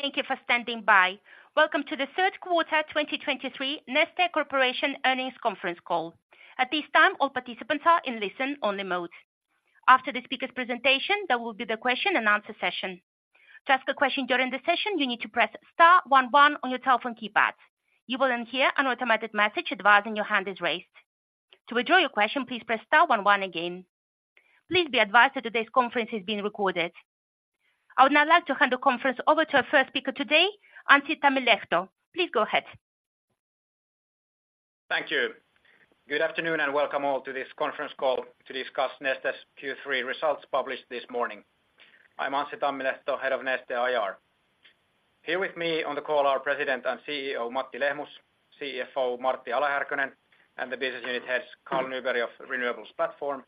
Thank you for standing by. Welcome to the third quarter 2023 Neste Corporation earnings conference call. At this time, all participants are in listen-only mode. After the speaker's presentation, there will be the question-and-answer session. To ask a question during the session, you need to press Star one one on your telephone keypad. You will then hear an automatic message advising your hand is raised. To withdraw your question, please press Star one one again. Please be advised that today's conference is being recorded. I would now like to hand the conference over to our first speaker today, Anssi Tammilehto. Please go ahead.` Thank you. Good afternoon, and welcome all to this conference call to discuss Neste's Q3 results published this morning. I'm Anssi Tammilehto, Head of Neste IR. Here with me on the call are President and CEO Matti Lehmus, CFO Martti Ala-Härkönen, and the business unit heads, Carl Nyberg of Renewables Platform,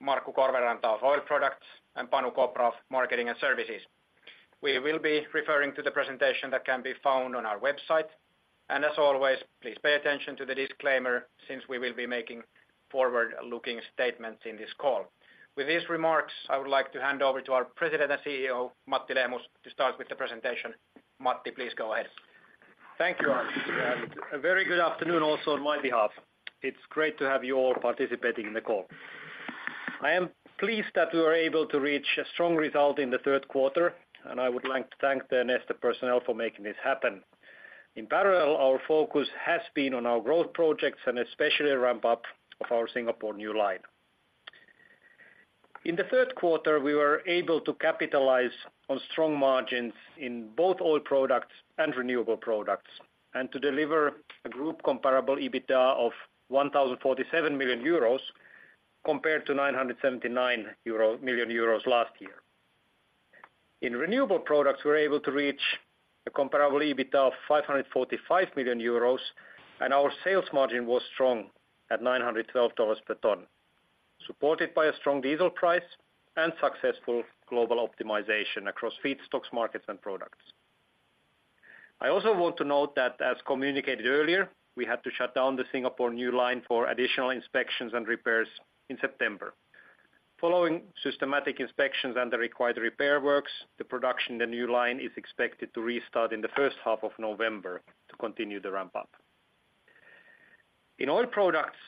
Markku Korvenranta of Oil Products, and Panu Kopra of Marketing and Services. We will be referring to the presentation that can be found on our website, and as always, please pay attention to the disclaimer since we will be making forward-looking statements in this call. With these remarks, I would like to hand over to our President and CEO Matti Lehmus to start with the presentation. Matti, please go ahead. Thank you, Anssi. A very good afternoon also on my behalf. It's great to have you all participating in the call. I am pleased that we were able to reach a strong result in the third quarter, and I would like to thank the Neste personnel for making this happen. In parallel, our focus has been on our growth projects and especially ramp up of our Singapore new line. In the third quarter, we were able to capitalize on strong margins in both oil products and renewable products, and to deliver a group comparable EBITDA of 1,047 million euros, compared to 979 million euros last year. In renewable products, we were able to reach a Comparable EBITDA of 545 million euros, and our sales margin was strong at $912 per ton, supported by a strong diesel price and successful global optimization across feedstocks, markets, and products. I also want to note that, as communicated earlier, we had to shut down the Singapore new line for additional inspections and repairs in September. Following systematic inspections and the required repair works, the production in the new line is expected to restart in the first half of November to continue the ramp up. In oil products,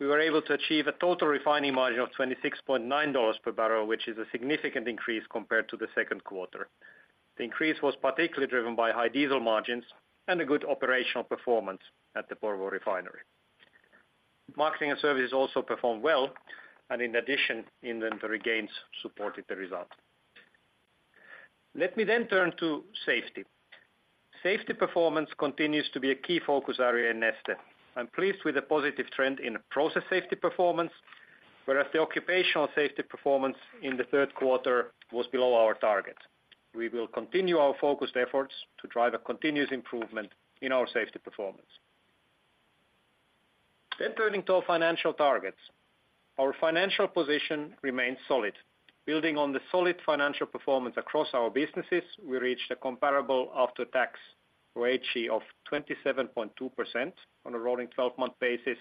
we were able to achieve a total refining margin of $26.9 per barrel, which is a significant increase compared to the second quarter. The increase was particularly driven by high diesel margins and a good operational performance at the Porvoo Refinery. Marketing and services also performed well, and in addition, inventory gains supported the result. Let me then turn to Safety. Safety performance continues to be a key focus area in Neste. I'm pleased with the positive trend in process safety performance, whereas the occupational safety performance in the third quarter was below our target. We will continue our focused efforts to drive a continuous improvement in our Safety performance. Then turning to our Financial targets. Our Financial position remains solid. Building on the solid financial performance across our businesses, we reached a comparable after-tax ROACE of 27.2% on a rolling 12-month basis,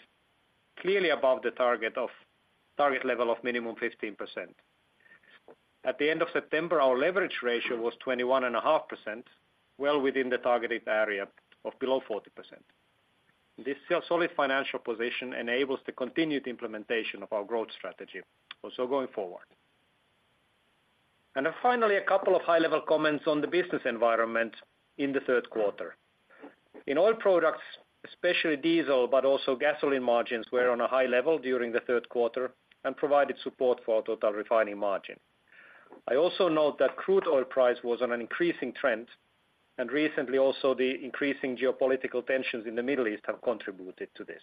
clearly above the target level of minimum 15%. At the end of September, our leverage ratio was 21.5%, well within the targeted area of below 40%. This still solid financial position enables the continued implementation of our growth strategy also going forward. And then finally, a couple of high-level comments on the business environment in the third quarter. In oil products, especially diesel, but also gasoline margins, were on a high level during the third quarter and provided support for our total refining margin. I also note that crude oil price was on an increasing trend, and recently also the increasing geopolitical tensions in the Middle East have contributed to this.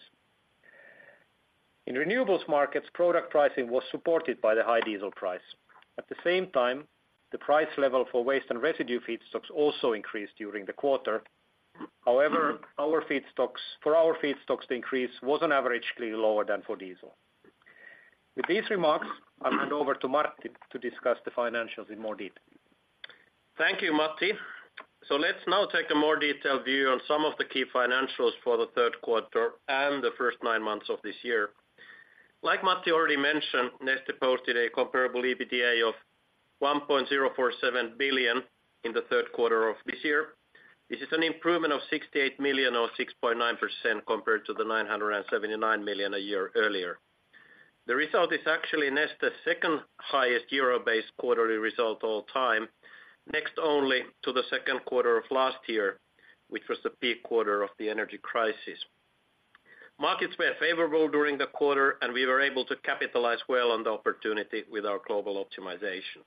In renewables markets, product pricing was supported by the high diesel price. At the same time, the price level for waste and residue feedstocks also increased during the quarter. However, for our feedstocks, the increase was on average clearly lower than for diesel. With these remarks, I'll hand over to Martti to discuss the financials in more detail. Thank you, Matti. Let's now take a more detailed view on some of the key financials for the third quarter and the first nine months of this year. Like Matti already mentioned, Neste posted a comparable EBITDA of 1.047 billion in the third quarter of this year. This is an improvement of 68 million, or 6.9%, compared to the 979 million a year earlier. The result is actually Neste's second-highest euro-based quarterly result of all time, next only to the second quarter of last year, which was the peak quarter of the energy crisis. Markets were favorable during the quarter, and we were able to capitalize well on the opportunity with our global optimization.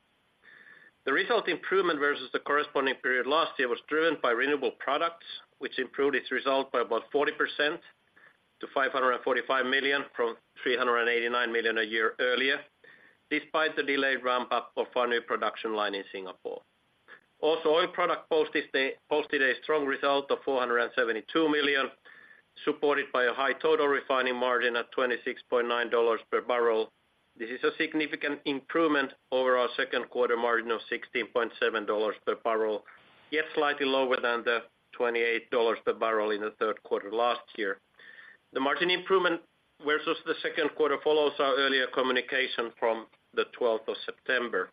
The result improvement versus the corresponding period last year was driven by Renewable Products, which improved its result by about 40% to 545 million from 389 million a year earlier, despite the delayed ramp-up of our new production line in Singapore. Also, Oil Products posted a strong result of 472 million, supported by a high total refining margin at $26.9 per barrel. This is a significant improvement over our second quarter margin of $16.7 per barrel, yet slightly lower than the $28 per barrel in the third quarter last year. The margin improvement versus the second quarter follows our earlier communication from the 12th of September .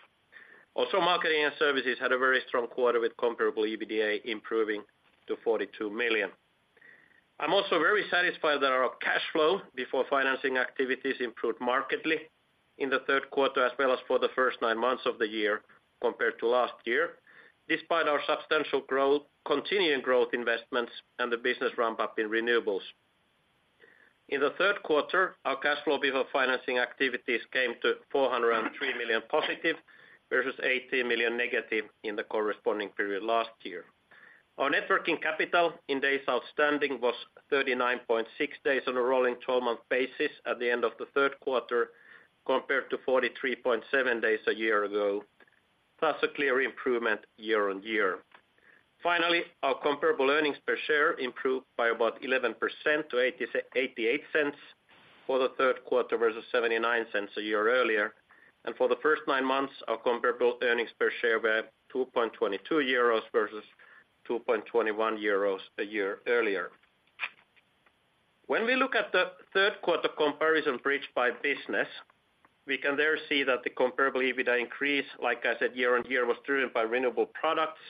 Also, Marketing & Services had a very strong quarter, with comparable EBITDA improving to 42 million. I'm also very satisfied that our cash flow before financing activities improved markedly in the third quarter, as well as for the first nine months of the year compared to last year, despite our substantial growth, continuing growth investments, and the business ramp-up in renewables. In the third quarter, our cash flow before financing activities came to 403 million+, versus 18- million in the corresponding period last year. Our net working capital in days outstanding was 39.6 days on a rolling 12-month basis at the end of the third quarter, compared to 43.7 days a year ago. That's a clear improvement year-on-year. Finally, our comparable earnings per share improved by about 11% to 0.88 for the third quarter, versus 0.79 a year earlier. For the first 9 months, our comparable earnings per share were 2.22 euros versus 2.21 euros a year earlier. When we look at the third quarter comparison bridge by business, we can there see that the comparable EBITDA increase, like I said, year-on-year, was driven by renewable products,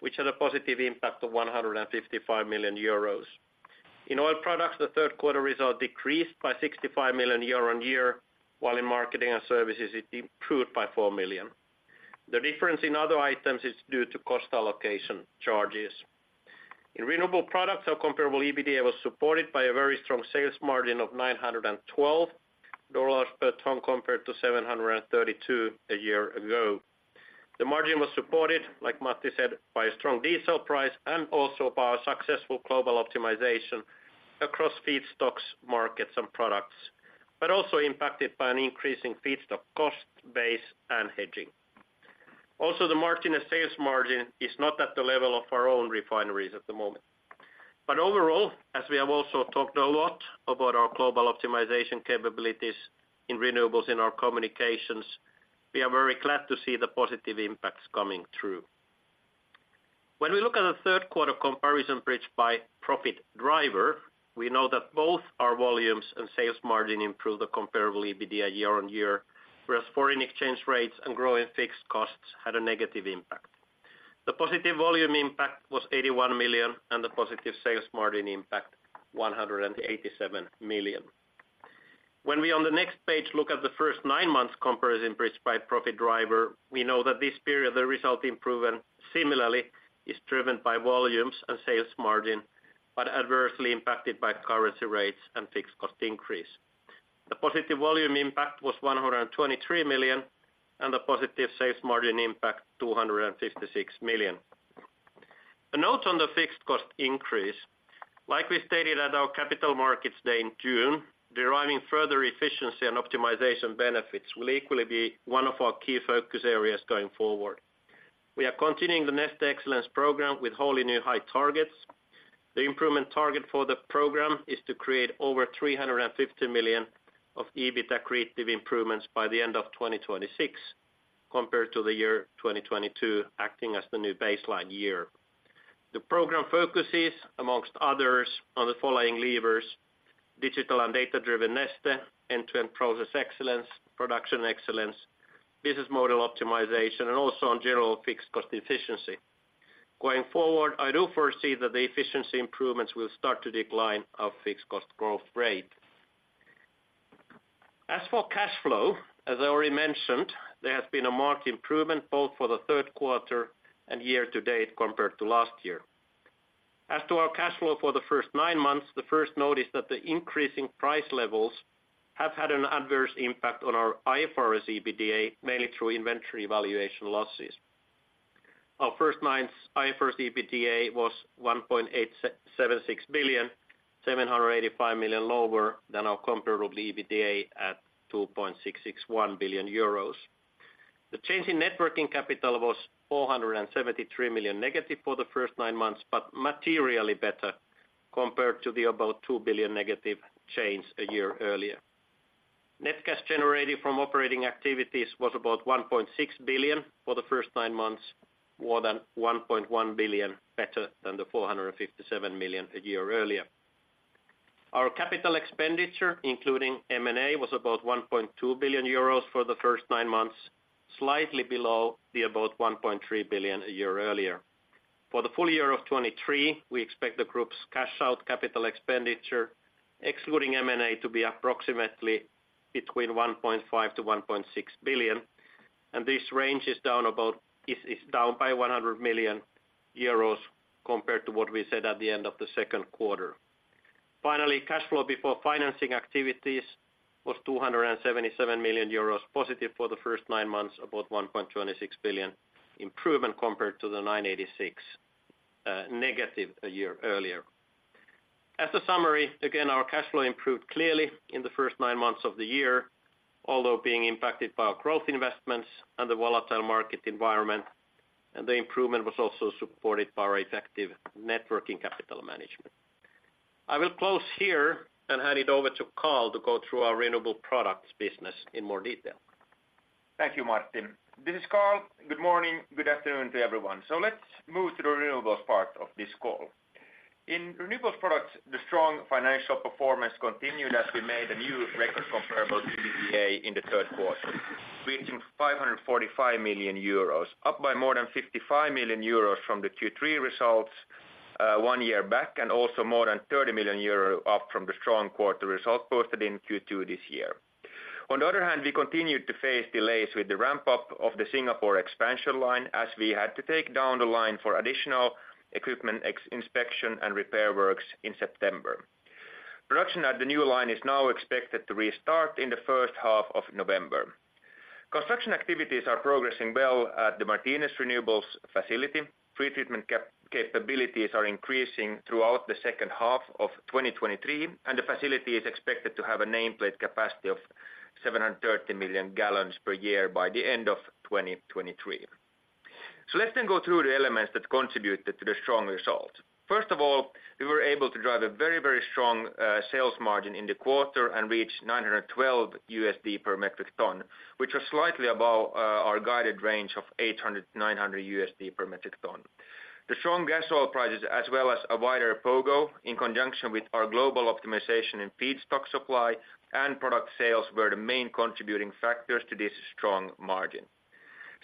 which had a positive impact of 155 million euros. In Oil Products, the third quarter result decreased by 65 million euro year-on-year, while in Marketing & Services, it improved by 4 million. The difference in other items is due to cost allocation charges. In renewable products, our comparable EBITDA was supported by a very strong sales margin of $912 per ton, compared to $732 a year ago. The margin was supported, like Matti said, by a strong diesel price and also by our successful global optimization across feedstocks, markets, and products, but also impacted by an increasing feedstock cost base and hedging. Also, the margin and sales margin is not at the level of our own refineries at the moment. But overall, as we have also talked a lot about our global optimization capabilities in renewables in our communications, we are very glad to see the positive impacts coming through. When we look at the third quarter comparison bridge by profit driver, we know that both our volumes and sales margin improved the comparable EBITDA year-on-year, whereas foreign exchange rates and growing fixed costs had a negative impact. The positive volume impact was 81 million, and the positive sales margin impact, 187 million. When we, on the next page, look at the first nine months comparison bridge by profit driver, we know that this period, the result improvement similarly is driven by volumes and sales margin, but adversely impacted by currency rates and fixed cost increase. The positive volume impact was 123 million, and the positive sales margin impact, 256 million. A note on the fixed cost increase, like we stated at our Capital Markets Day in June, deriving further efficiency and optimization benefits will equally be one of our key focus areas going forward. We are continuing the Neste Excellence program with wholly new high targets. The improvement target for the program is to create over 350 million of EBITDA accretive improvements by the end of 2026, compared to the year 2022, acting as the new baseline year. The program focuses, among others, on the following levers: digital and data-driven Neste, end-to-end process excellence, production excellence, business model optimization, and also on general fixed cost efficiency. Going forward, I do foresee that the efficiency improvements will start to decline our fixed cost growth rate. As for cash flow, as I already mentioned, there has been a marked improvement both for the third quarter and year-to-date, compared to last year. As to our cash flow for the first nine months, the first note is that the increasing price levels have had an adverse impact on our IFRS EBITDA, mainly through inventory valuation losses. Our first nine IFRS EBITDA was 1.876 billion, 785 million lower than our comparable EBITDA at 2.661 billion euros. The change in net working capital was 473- million for the first nine months, but materially better compared to the about 2 billion- change a year earlier. Net cash generated from operating activities was about 1.6 billion for the first nine months, more than 1.1 billion better than the 457 million a year earlier. Our capital expenditure, including M&A, was about 1.2 billion euros for the first nine months, slightly below the about 1.3 billion a year earlier. For the full-year of 2023, we expect the group's cash out capital expenditure, excluding M&A, to be approximately 1.5 billion-1.6 billion, and this range is down by 100 million euros compared to what we said at the end of the second quarter. Finally, cash flow before financing activities was 277 million euros +for the first nine months, about 1.26 billion improvement compared to the 986, negative a year earlier. As a summary, again, our cash flow improved clearly in the first nine months of the year, although being impacted by our growth investments and the volatile market environment, and the improvement was also supported by our effective working capital management. I will close here and hand it over to Carl to go through our renewable products business in more detail.... Thank you, Martti. This is Carl. Good morning, good afternoon to everyone. So let's move to the renewables part of this call. In renewables products, the strong financial performance continued as we made a new record comparable EBITDA in the third quarter, reaching 545 million euros, up by more than 55 million euros from the Q3 results one year back, and also more than 30 million euros up from the strong quarter results posted in Q2 this year. On the other hand, we continued to face delays with the ramp-up of the Singapore expansion line, as we had to take down the line for additional equipment X-ray inspection and repair works in September. Production at the new line is now expected to restart in the first half of November. Construction activities are progressing well at the Martinez Renewables facility. Pre-treatment capabilities are increasing throughout the second half of 2023, and the facility is expected to have a nameplate capacity of 730 million gallons per year by the end of 2023. So let's then go through the elements that contributed to the strong result. First of all, we were able to drive a very, very strong sales margin in the quarter and reach $912 per metric ton, which was slightly above our guided range of $800-$900 per metric ton. The strong gas oil prices, as well as a wider POGO, in conjunction with our global optimization in feedstock supply and product sales, were the main contributing factors to this strong margin.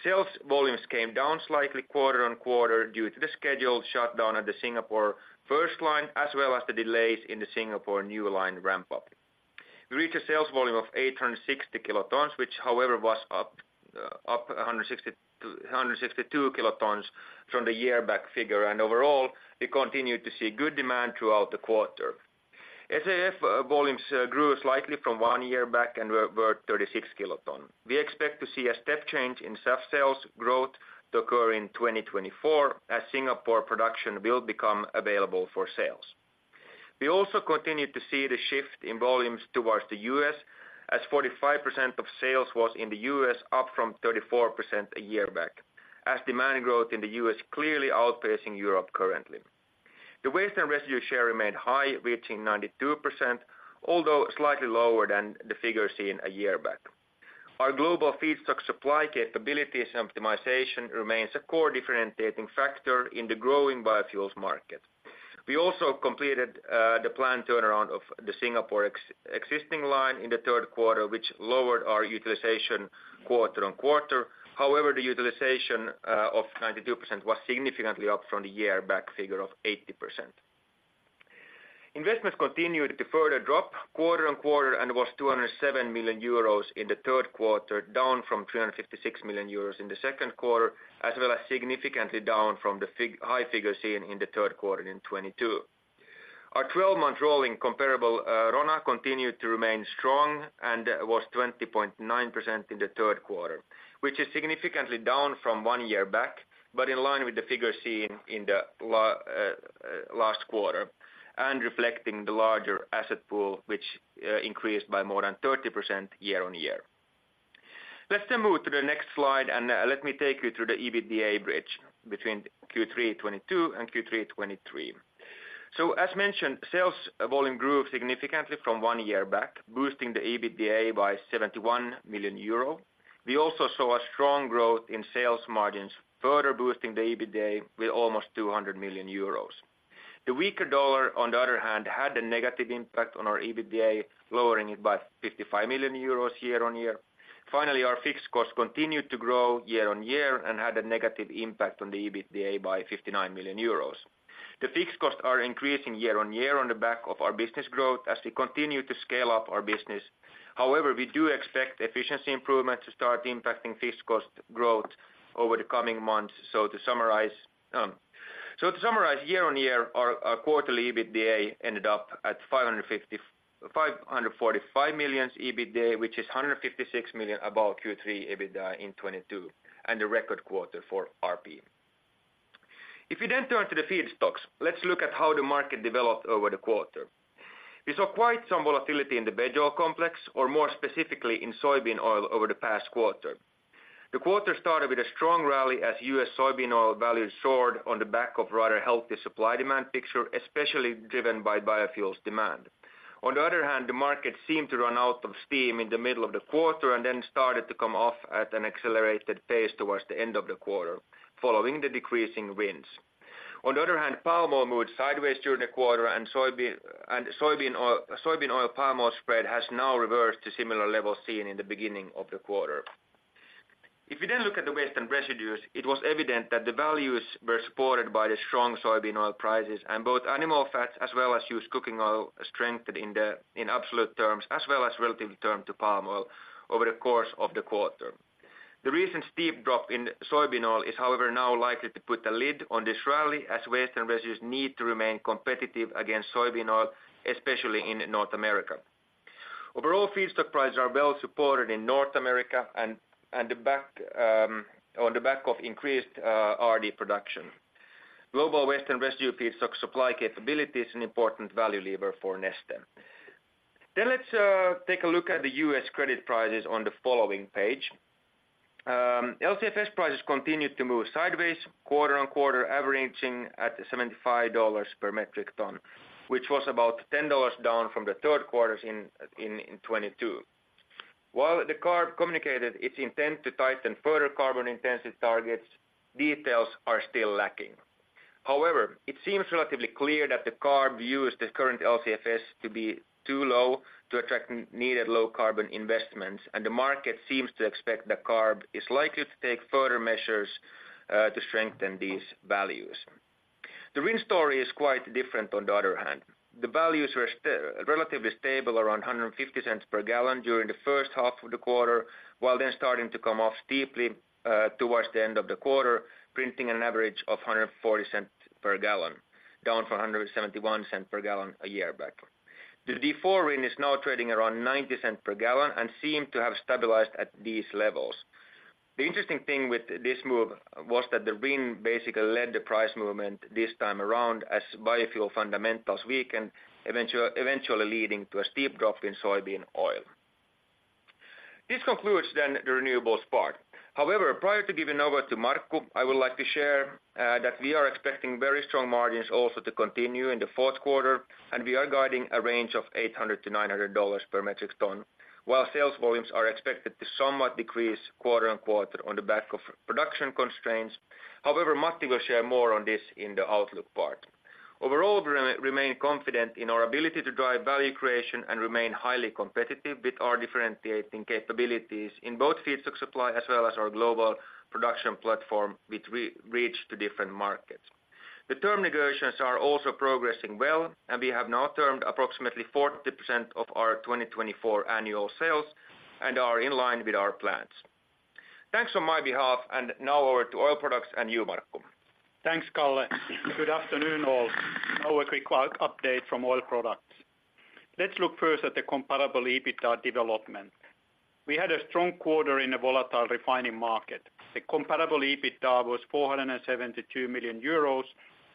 Sales volumes came down slightly quarter-on-quarter due to the scheduled shutdown of the Singapore first line, as well as the delays in the Singapore new line ramp-up. We reached a sales volume of 860 k, which however was up 162 kt from the year back figure, and overall, we continued to see good demand throughout the quarter. SAF volumes grew slightly from one year back and were 36 kt. We expect to see a step change in SAF sales growth to occur in 2024, as Singapore production will become available for sales. We also continued to see the shift in volumes towards the U.S., as 45% of sales was in the U.S., up from 34% a year back, as demand growth in the U.S. clearly outpacing Europe currently. The waste and residue share remained high, reaching 92%, although slightly lower than the figures seen a year back. Our global feedstock supply capabilities optimization remains a core differentiating factor in the growing biofuels market. We also completed the planned turnaround of the Singapore existing line in the third quarter, which lowered our utilization quarter-on-quarter. However, the utilization of 92% was significantly up from the year back figure of 80%. Investments continued to further drop quarter-on-quarter and was 207 million euros in the third quarter, down from 356 million euros in the second quarter, as well as significantly down from the high figures seen in the third quarter in 2022. Our 12-month rolling comparable RONA continued to remain strong and was 20.9% in the third quarter, which is significantly down from one year back, but in line with the figures seen in the last quarter, and reflecting the larger asset pool, which increased by more than 30% year-on-year. Let's then move to the next slide, and let me take you through the EBITDA bridge between Q3 2022 and Q3 2023. So as mentioned, sales volume grew significantly from one year back, boosting the EBITDA by 71 million euro. We also saw a strong growth in sales margins, further boosting the EBITDA with almost 200 million euros. The weaker dollar, on the other hand, had a negative impact on our EBITDA, lowering it by 55 million euros year-on-year. Finally, our fixed costs continued to grow year-over-year and had a negative impact on the EBITDA by 59 million euros. The fixed costs are increasing year-over-year on the back of our business growth as we continue to scale up our business. However, we do expect efficiency improvement to start impacting fixed cost growth over the coming months. So to summarize, So to summarize, year-over-year, our quarterly EBITDA ended up at 545 million, which is 156 million above Q3 2022 EBITDA, and a record quarter for RP. If you then turn to the Feedstocks, let's look at how the market developed over the quarter. We saw quite some volatility in the veg oil complex, or more specifically, in soybean oil over the past quarter. The quarter started with a strong rally as U.S. soybean oil values soared on the back of rather healthy supply-demand picture, especially driven by biofuels demand. On the other hand, the market seemed to run out of steam in the middle of the quarter and then started to come off at an accelerated pace towards the end of the quarter, following the decreasing winds. On the other hand, palm oil moved sideways during the quarter, and soybean oil palm oil spread has now reversed to similar levels seen in the beginning of the quarter. If you then look at the waste and residues, it was evident that the values were supported by the strong soybean oil prices, and both animal fats as well as used cooking oil strengthened in absolute terms, as well as relative term to palm oil over the course of the quarter. The recent steep drop in soybean oil is, however, now likely to put a lid on this rally, as waste and residues need to remain competitive against soybean oil, especially in North America. Overall, feedstock prices are well supported in North America and on the back of increased RD production. Global waste and residue feedstock supply capability is an important value lever for Neste. Then let's take a look at the U.S. credit prices on the following page. LCFS prices continued to move sideways quarter-on-quarter, averaging at $75 per metric ton, which was about $10 down from the third quarter in 2022. While the CARB communicated its intent to tighten further carbon intensity targets, details are still lacking. However, it seems relatively clear that the CARB views the current LCFS to be too low to attract much-needed low carbon investments, and the market seems to expect the CARB is likely to take further measures to strengthen these values. The RIN story is quite different on the other hand. The values were relatively stable, around $1.50 per gallon during the first half of the quarter, while then starting to come off steeply, towards the end of the quarter, printing an average of $1.40 per gallon, down from $1.71 per gallon a year backward. The D4 RIN is now trading around $0.90 per gallon and seem to have stabilized at these levels. The interesting thing with this move was that the RIN basically led the price movement this time around, as biofuel fundamentals weakened, eventually leading to a steep drop in soybean oil. This concludes then the renewables part. However, prior to giving over to Markku, I would like to share that we are expecting very strong margins also to continue in the fourth quarter, and we are guiding a range of $800-$900 per metric ton. While sales volumes are expected to somewhat decrease quarter-on-quarter on the back of production constraints, however, Matti will share more on this in the outlook part. Overall, we remain confident in our ability to drive value creation and remain highly competitive with our differentiating capabilities in both feedstock supply as well as our global production platform, which reach to different markets. The term negotiations are also progressing well, and we have now termed approximately 40% of our 2024 annual sales and are in line with our plans. Thanks on my behalf, and now over to Oil Products, and you, Markku. Thanks, Kalle. Good afternoon, all. Now a quick update from Oil Products. Let's look first at the comparable EBITDA development. We had a strong quarter in a volatile refining market. The comparable EBITDA was 472 million euros,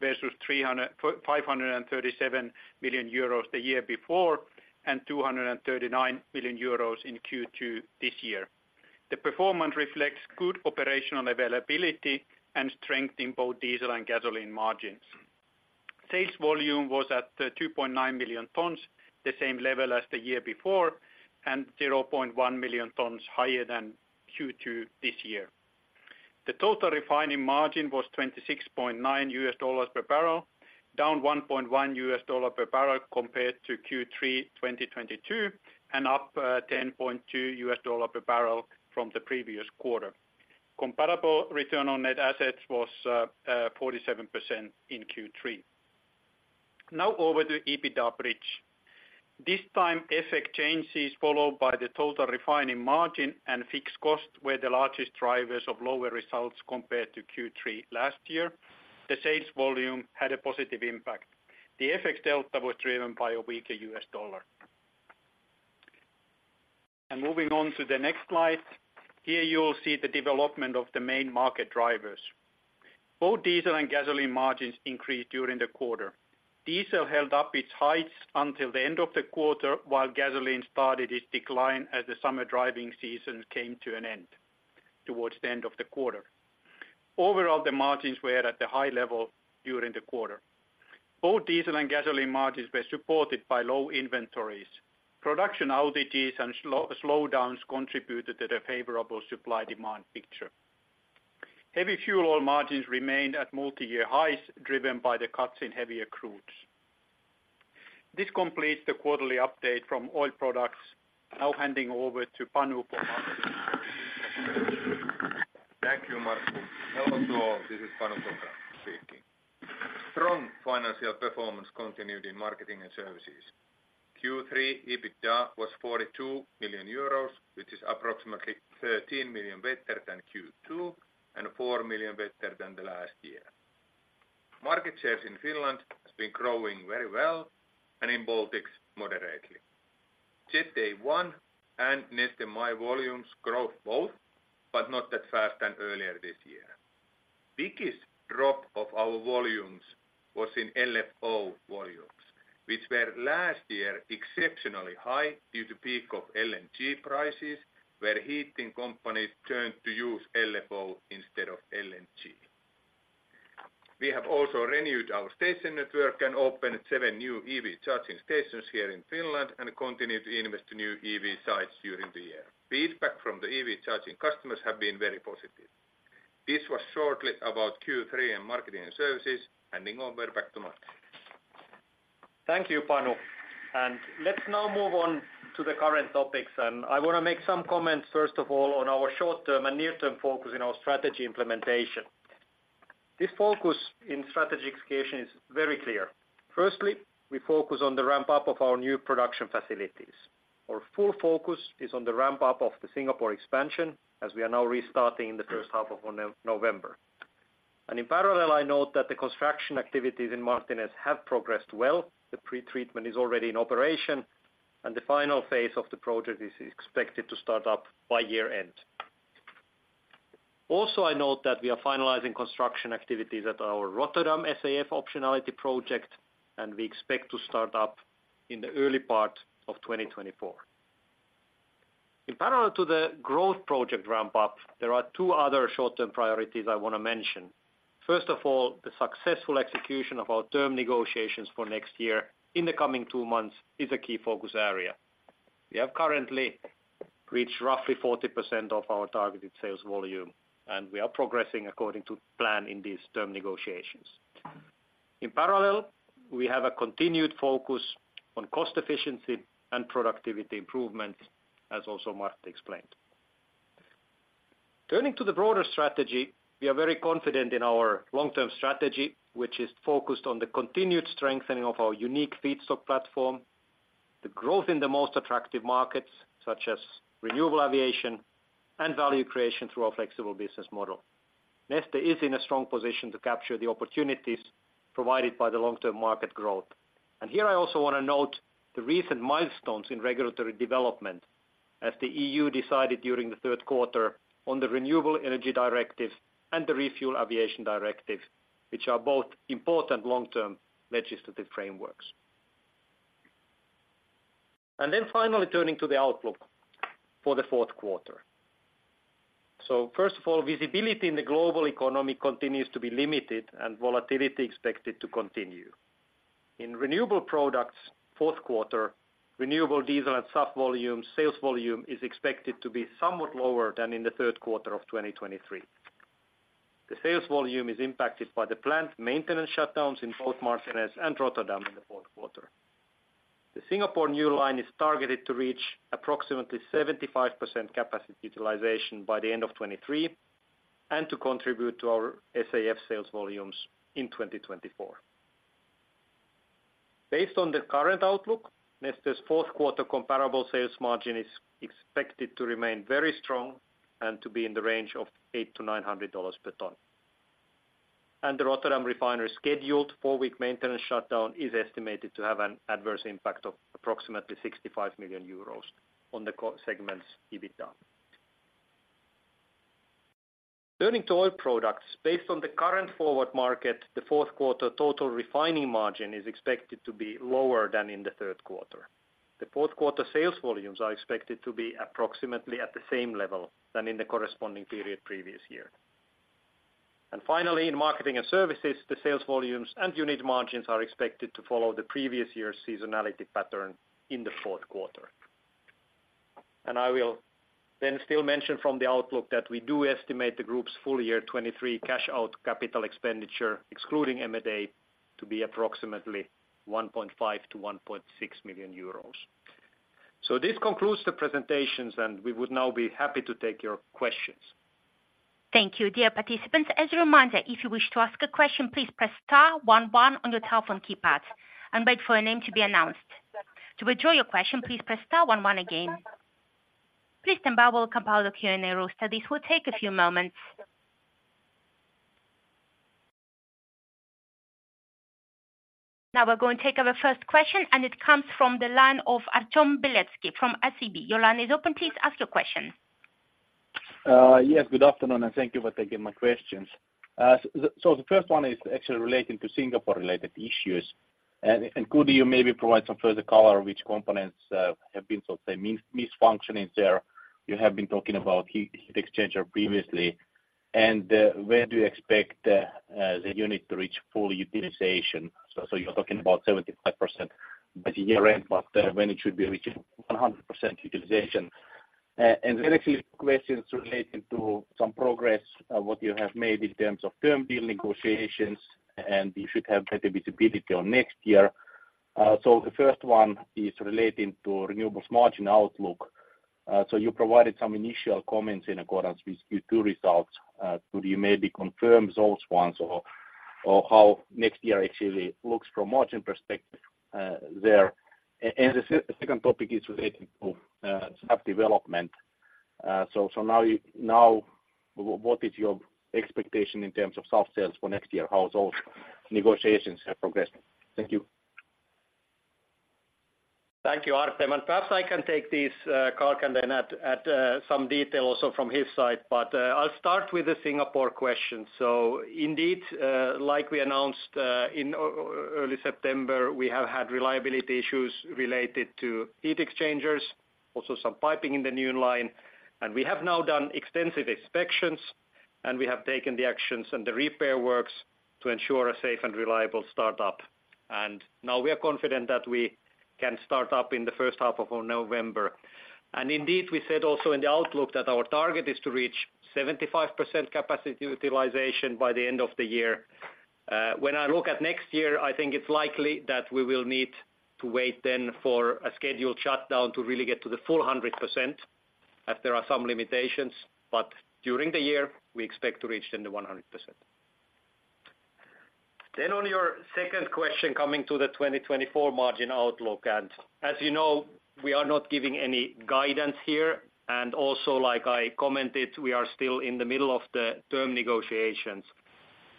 versus 357 million euros the year before, and 239 million euros in Q2 this year. The performance reflects good operational availability and strength in both diesel and gasoline margins. Sales volume was at 2.9 million tons, the same level as the year before, and 0.1 million tons higher than Q2 this year. The total refining margin was $26.9 per barrel, down $1.1 per barrel compared to Q3 2022, and up $10.2 per barrel from the previous quarter. Comparable return on net assets was 47% in Q3. Now, over to EBITDA bridge. This time, FX changes, followed by the total refining margin and fixed cost, were the largest drivers of lower results compared to Q3 last year. The sales volume had a positive impact. The FX delta was driven by a weaker U.S. dollar. Moving on to the next slide, here you will see the development of the main market drivers. Both diesel and gasoline margins increased during the quarter. Diesel held up its heights until the end of the quarter, while gasoline started its decline as the summer driving season came to an end, towards the end of the quarter. Overall, the margins were at a high level during the quarter. Both diesel and gasoline margins were supported by low inventories. Production outages and slowdowns contributed to the favorable supply-demand picture. Heavy fuel oil margins remained at multi-year highs, driven by the cuts in heavier crudes. This completes the quarterly update from Oil Products. Now handing over to Panu for Marketing and Services. Thank you, Markku. Hello to all, this is Panu Kopra speaking. Strong financial performance continued in Marketing & Services. Q3 EBITDA was 42 million euros, which is approximately 13 million better than Q2 and 4 million better than the last year. Market shares in Finland has been growing very well, and in Baltics, moderately. Diesel and Neste MY volumes growth both, but not that fast than earlier this year. Biggest drop of our volumes was in LFO volumes, which were last year exceptionally high due to peak of LNG prices, where heating companies turned to use LFO instead of LNG. We have also renewed our station network and opened 7 new EV charging stations here in Finland, and continue to invest in new EV sites during the year. Feedback from the EV charging customers have been very positive. This was shortly about Q3 in Marketing and Services. Handing over back to Matti. Thank you, Panu. Let's now move on to the current topics, and I want to make some comments, first of all, on our short-term and near-term focus in our strategy implementation. This focus in strategy execution is very clear. Firstly, we focus on the ramp-up of our new production facilities. Our full focus is on the ramp-up of the Singapore expansion, as we are now restarting in the first half of November. In parallel, I note that the construction activities in Martinez have progressed well. The pre-treatment is already in operation, and the final phase of the project is expected to start up by year-end. Also, I note that we are finalizing construction activities at our Rotterdam SAF optionality project, and we expect to start up in the early part of 2024. In parallel to the growth project ramp up, there are two other short-term priorities I want to mention. First of all, the successful execution of our term negotiations for next year in the coming two months is a key focus area. We have currently reached roughly 40% of our targeted sales volume, and we are progressing according to plan in these term negotiations. In parallel, we have a continued focus on cost efficiency and productivity improvement, as also Martti explained. Turning to the broader strategy, we are very confident in our long-term strategy, which is focused on the continued strengthening of our unique feedstock platform, the growth in the most attractive markets, such as renewable aviation, and value creation through our flexible business model. Neste is in a strong position to capture the opportunities provided by the long-term market growth. Here I also want to note the recent milestones in regulatory development as the EU decided during the third quarter on the Renewable Energy Directive and the ReFuelEU Aviation, which are both important long-term legislative frameworks. Then finally, turning to the outlook for the fourth quarter. So first of all, visibility in the global economy continues to be limited and volatility expected to continue. In renewable products, fourth quarter renewable diesel and SAF volumes sales volume is expected to be somewhat lower than in the third quarter of 2023. The sales volume is impacted by the planned maintenance shutdowns in both Martinez and Rotterdam in the fourth quarter. The Singapore new line is targeted to reach approximately 75% capacity utilization by the end of 2023, and to contribute to our SAF sales volumes in 2024. Based on the current outlook, Neste's fourth quarter comparable sales margin is expected to remain very strong and to be in the range of $800-$900 per ton. The Rotterdam refinery scheduled four-week maintenance shutdown is estimated to have an adverse impact of approximately 65 million euros on the core segment's EBITDA. Turning to Oil Products, based on the current forward market, the fourth quarter total refining margin is expected to be lower than in the third quarter. The fourth quarter sales volumes are expected to be approximately at the same level than in the corresponding period previous year. And finally, in Marketing and Services, the sales volumes and unit margins are expected to follow the previous year's seasonality pattern in the fourth quarter. I will then still mention from the outlook that we do estimate the group's full year 2023 cash out capital expenditure, excluding M&A, to be approximately 1.5 million-1.6 million euros. So this concludes the presentations, and we would now be happy to take your questions. Thank you, dear participants. As a reminder, if you wish to ask a question, please press Star one one on your telephone keypad and wait for your name to be announced. To withdraw your question, please press Star one one again. Please stand by while we compile the Q&A roster. This will take a few moments. Now we're going to take our first question, and it comes from the line of Artem Beletsky from SEB. Your line is open. Please ask your question. Yes, good afternoon, and thank you for taking my questions. So the first one is actually relating to Singapore-related issues. Could you maybe provide some further color on which components have been malfunctioning there? You have been talking about heat exchanger previously, and when do you expect the unit to reach full utilization? So you're talking about 75% by the year-end, but when it should be reaching 100% utilization. And then actually questions relating to some progress what you have made in terms of term deal negotiations, and you should have better visibility on next year. So the first one is relating to renewables margin outlook. So you provided some initial comments in accordance with Q2 results. Could you maybe confirm those ones or how next year actually looks from margin perspective there? And the second topic is relating to SAF development. So now what is your expectation in terms of SAF sales for next year? How those negotiations have progressed? Thank you. Thank you, Artem, and perhaps I can take this, Markku, and then add some detail also from his side. But I'll start with the Singapore question. So indeed, like we announced in early September, we have had reliability issues related to heat exchangers, also some piping in the new line. And we have now done extensive inspections, and we have taken the actions and the repair works to ensure a safe and reliable startup. And now we are confident that we can start up in the first half of November. And indeed, we said also in the outlook that our target is to reach 75% capacity utilization by the end of the year. When I look at next year, I think it's likely that we will need to wait then for a scheduled shutdown to really get to the full 100%, as there are some limitations. But during the year, we expect to reach then the 100%. Then on your second question, coming to the 2024 margin outlook, and as you know, we are not giving any guidance here. And also, like I commented, we are still in the middle of the term negotiations.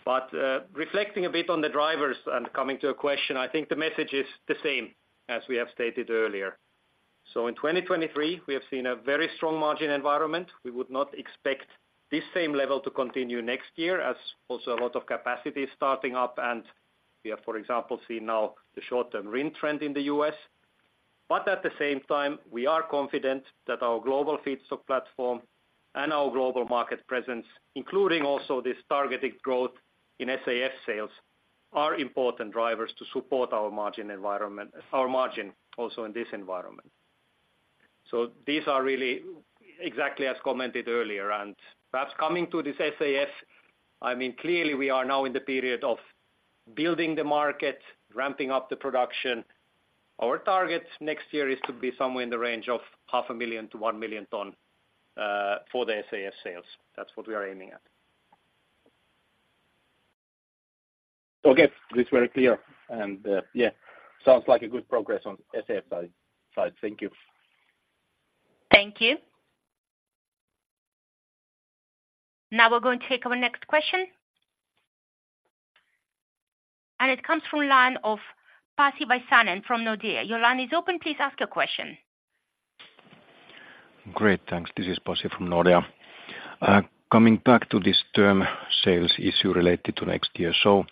But, reflecting a bit on the drivers and coming to a question, I think the message is the same as we have stated earlier. So in 2023, we have seen a very strong margin environment. We would not expect this same level to continue next year, as also a lot of capacity is starting up, and we have, for example, seen now the short-term RIN trend in the U.S. But at the same time, we are confident that our global feedstock platform and our global market presence, including also this targeted growth in SAF sales, are important drivers to support our margin environment, our margin also in this environment. So these are really exactly as commented earlier, and perhaps coming to this SAF, I mean, clearly we are now in the period of building the market, ramping up the production. Our target next year is to be somewhere in the range of 500,000-1 million tons for the SAF sales. That's what we are aiming at. Okay, this very clear, and, yeah, sounds like a good progress on SAF side. Thank you. Thank you. Now we're going to take our next question. It comes from line of Pasi Väisänen from Nordea. Your line is open, please ask your question. Great, thanks. This is Pasi from Nordea. Coming back to this term sales issue related to next year. So,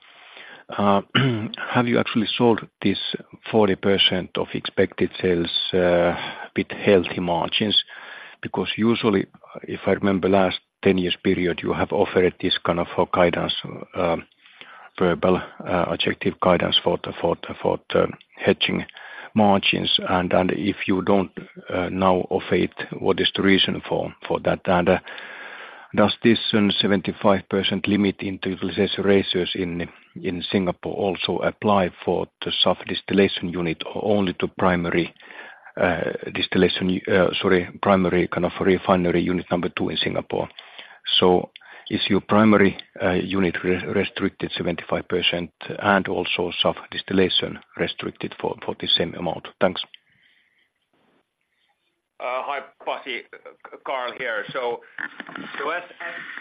have you actually sold this 40% of expected sales with healthy margins? Because usually, if I remember last 10 years period, you have offered this kind of guidance, verbal objective guidance for the hedging margins, and if you don't now offer it, what is the reason for that? And, does this 75% limit in utilization ratios in Singapore also apply for the secondary distillation unit or only to primary distillation, sorry, primary kind of refinery unit number two in Singapore? So is your primary unit restricted 75% and also secondary distillation restricted for the same amount? Thanks. Hi, Pasi. Carl here. So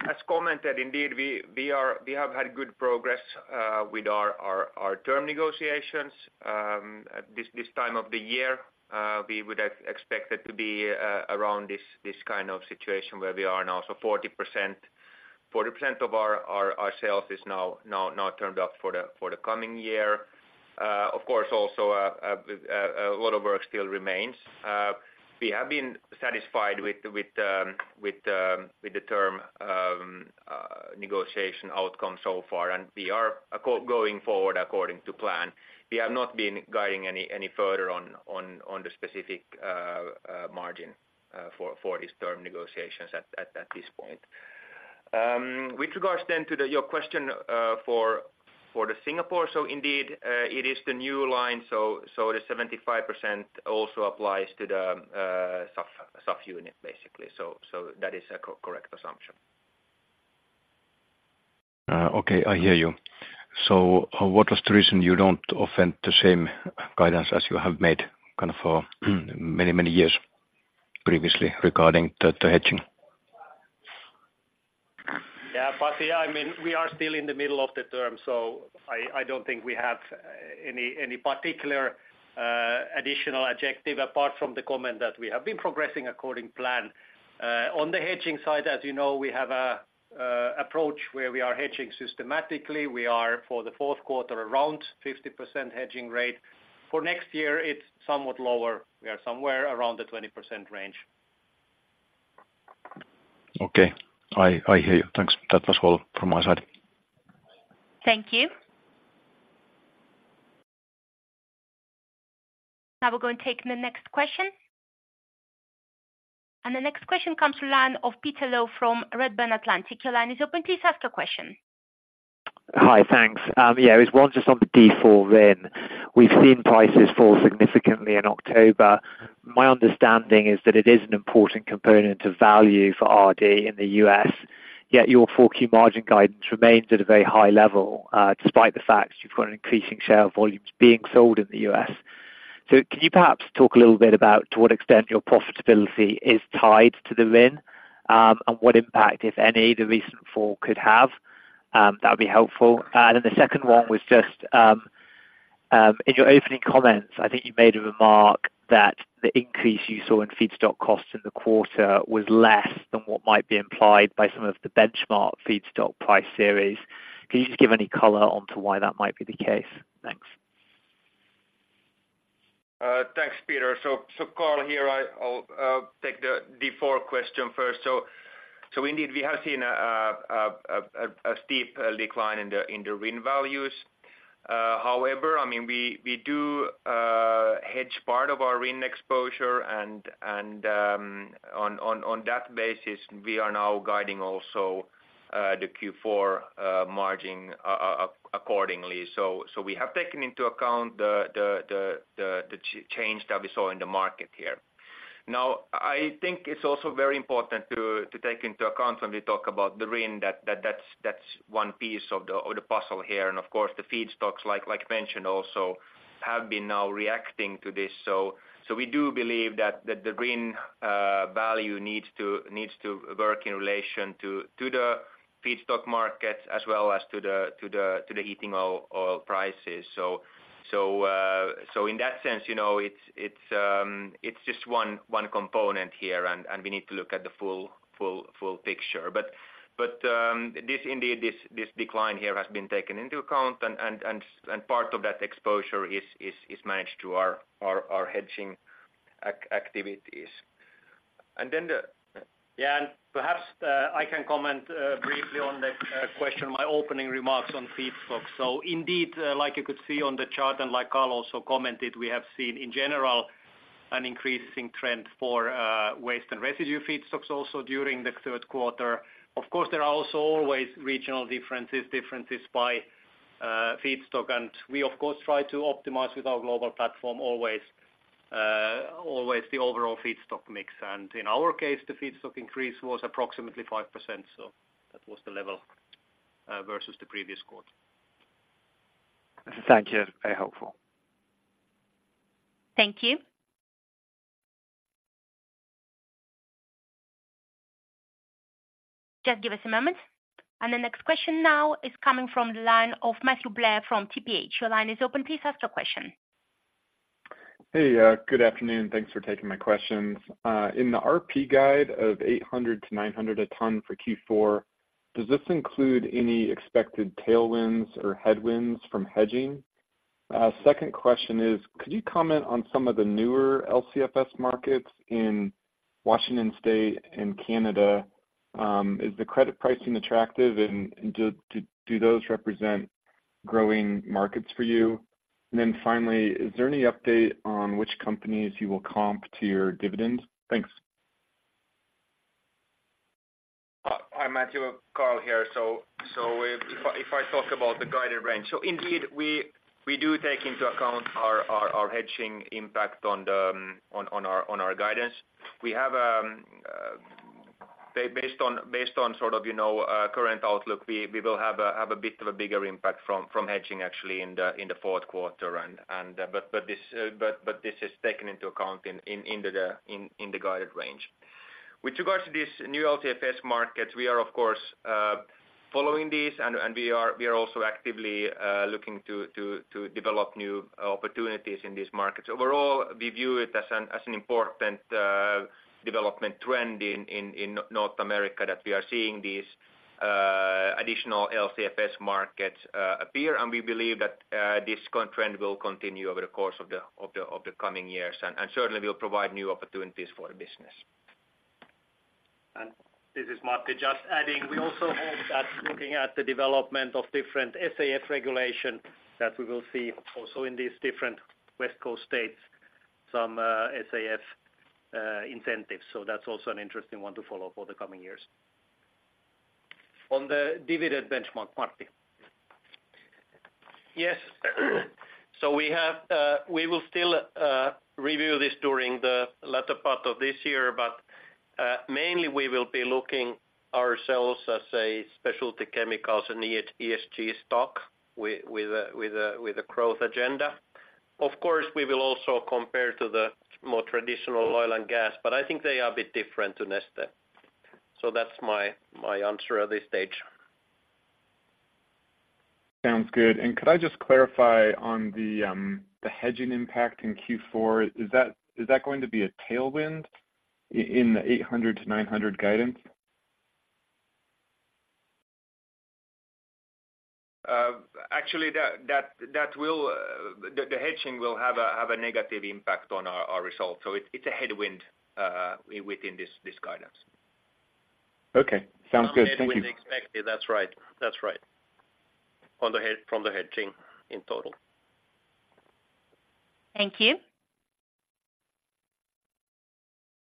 as commented, indeed, we have had good progress with our term negotiations. At this time of the year, we would have expected to be around this kind of situation where we are now. So 40%, 40% of our sales is now turned up for the coming year. Of course, also, a lot of work still remains. We have been satisfied with the term negotiation outcome so far, and we are going forward according to plan. We have not been guiding any further on the specific margin for these term negotiations at this point. With regards then to your question for the Singapore, so indeed, it is the new line, so the 75% also applies to the SAF unit, basically. So that is a correct assumption. Okay, I hear you. So what was the reason you don't offer the same guidance as you have made kind of for many, many years previously regarding the hedging? Yeah, Pasi, I mean, we are still in the middle of the term, so I don't think we have any particular additional objective apart from the comment that we have been progressing according plan. On the hedging side, as you know, we have a approach where we are hedging systematically. We are, for the fourth quarter, around 50% hedging rate. For next year, it's somewhat lower. We are somewhere around the 20% range. Okay, I hear you. Thanks. That was all from my side. Thank you. Now we're going to take the next question. The next question comes from the line of Peter Low from Redburn Atlantic. Your line is open, please ask your question. Hi, thanks. Yeah, it's one just on the D4 RIN. We've seen prices fall significantly in October. My understanding is that it is an important component of value for RD in the U.S., yet your full key margin guidance remains at a very high level, despite the fact you've got an increasing share of volumes being sold in the U.S. So can you perhaps talk a little bit about to what extent your profitability is tied to the RIN, and what impact, if any, the recent fall could have? That would be helpful. And then the second one was just, in your opening comments, I think you made a remark that the increase you saw in feedstock costs in the quarter was less than what might be implied by some of the benchmark feedstock price series. Can you just give any color on why that might be the case? Thanks. Thanks, Peter. So, Carl here, I'll take the D4 question first. So, indeed, we have seen a steep decline in the RIN values. However, I mean, we do hedge part of our RIN exposure, and on that basis, we are now guiding also the Q4 margin accordingly. So, we have taken into account the change that we saw in the market here. Now, I think it's also very important to take into account when we talk about the RIN, that that's one piece of the puzzle here. And of course, the feedstocks, like mentioned, also have been now reacting to this. So we do believe that the RIN value needs to work in relation to the feedstock markets as well as to the heating oil prices. So in that sense, you know, it's just one component here, and we need to look at the full picture. But this indeed, the decline here has been taken into account, and part of that exposure is managed through our hedging activities. And then the- Yeah, and perhaps I can comment briefly on the question, my opening remarks on feedstocks. So indeed, like you could see on the chart and like Carl also commented, we have seen in general an increasing trend for waste and residue feedstocks also during the third quarter. Of course, there are also always regional differences, differences by feedstock, and we of course try to optimize with our global platform always always the overall feedstock mix. And in our case, the feedstock increase was approximately 5%, so that was the level versus the previous quarter. Thank you. Very helpful. Thank you. Just give us a moment. The next question now is coming from the line of Matthew Blair from TPH. Your line is open. Please ask your question. Hey, good afternoon. Thanks for taking my questions. In the RP guide of 800-900 a ton for Q4, does this include any expected tailwinds or headwinds from hedging? Second question is, could you comment on some of the newer LCFS markets in Washington State and Canada? Is the credit pricing attractive, and do those represent growing markets for you? And then finally, is there any update on which companies you will comp to your dividends? Thanks. Hi, Matthew, Carl here. So if I talk about the guided range. So indeed, we do take into account our hedging impact on our guidance. We have, based on sort of, you know, current outlook, we will have a bit of a bigger impact from hedging actually in the fourth quarter. And but this is taken into account in the guided range. With regards to these new LCFS markets, we are of course following these, and we are also actively looking to develop new opportunities in these markets. Overall, we view it as an important development trend in North America that we are seeing these additional LCFS markets appear. And we believe that this current trend will continue over the course of the coming years, and certainly will provide new opportunities for the business. This is Matti, just adding, we also hope that looking at the development of different SAF regulation, that we will see also in these different West Coast states, some SAF incentives. So that's also an interesting one to follow for the coming years. On the dividend benchmark, Matti. Yes. So we have. We will still review this during the latter part of this year, but mainly we will be looking ourselves as a specialty chemicals and ESG stock with a growth agenda. Of course, we will also compare to the more traditional oil and gas, but I think they are a bit different to Neste. So that's my answer at this stage. Sounds good. Could I just clarify on the hedging impact in Q4? Is that, is that going to be a tailwind in the $800-EUR $900 guidance? Actually, the hedging will have a negative impact on our results. So it's a headwind within this guidance. Okay. Sounds good. Thank you. Expect it. That's right. That's right. On the hedge- from the hedging in total. Thank you.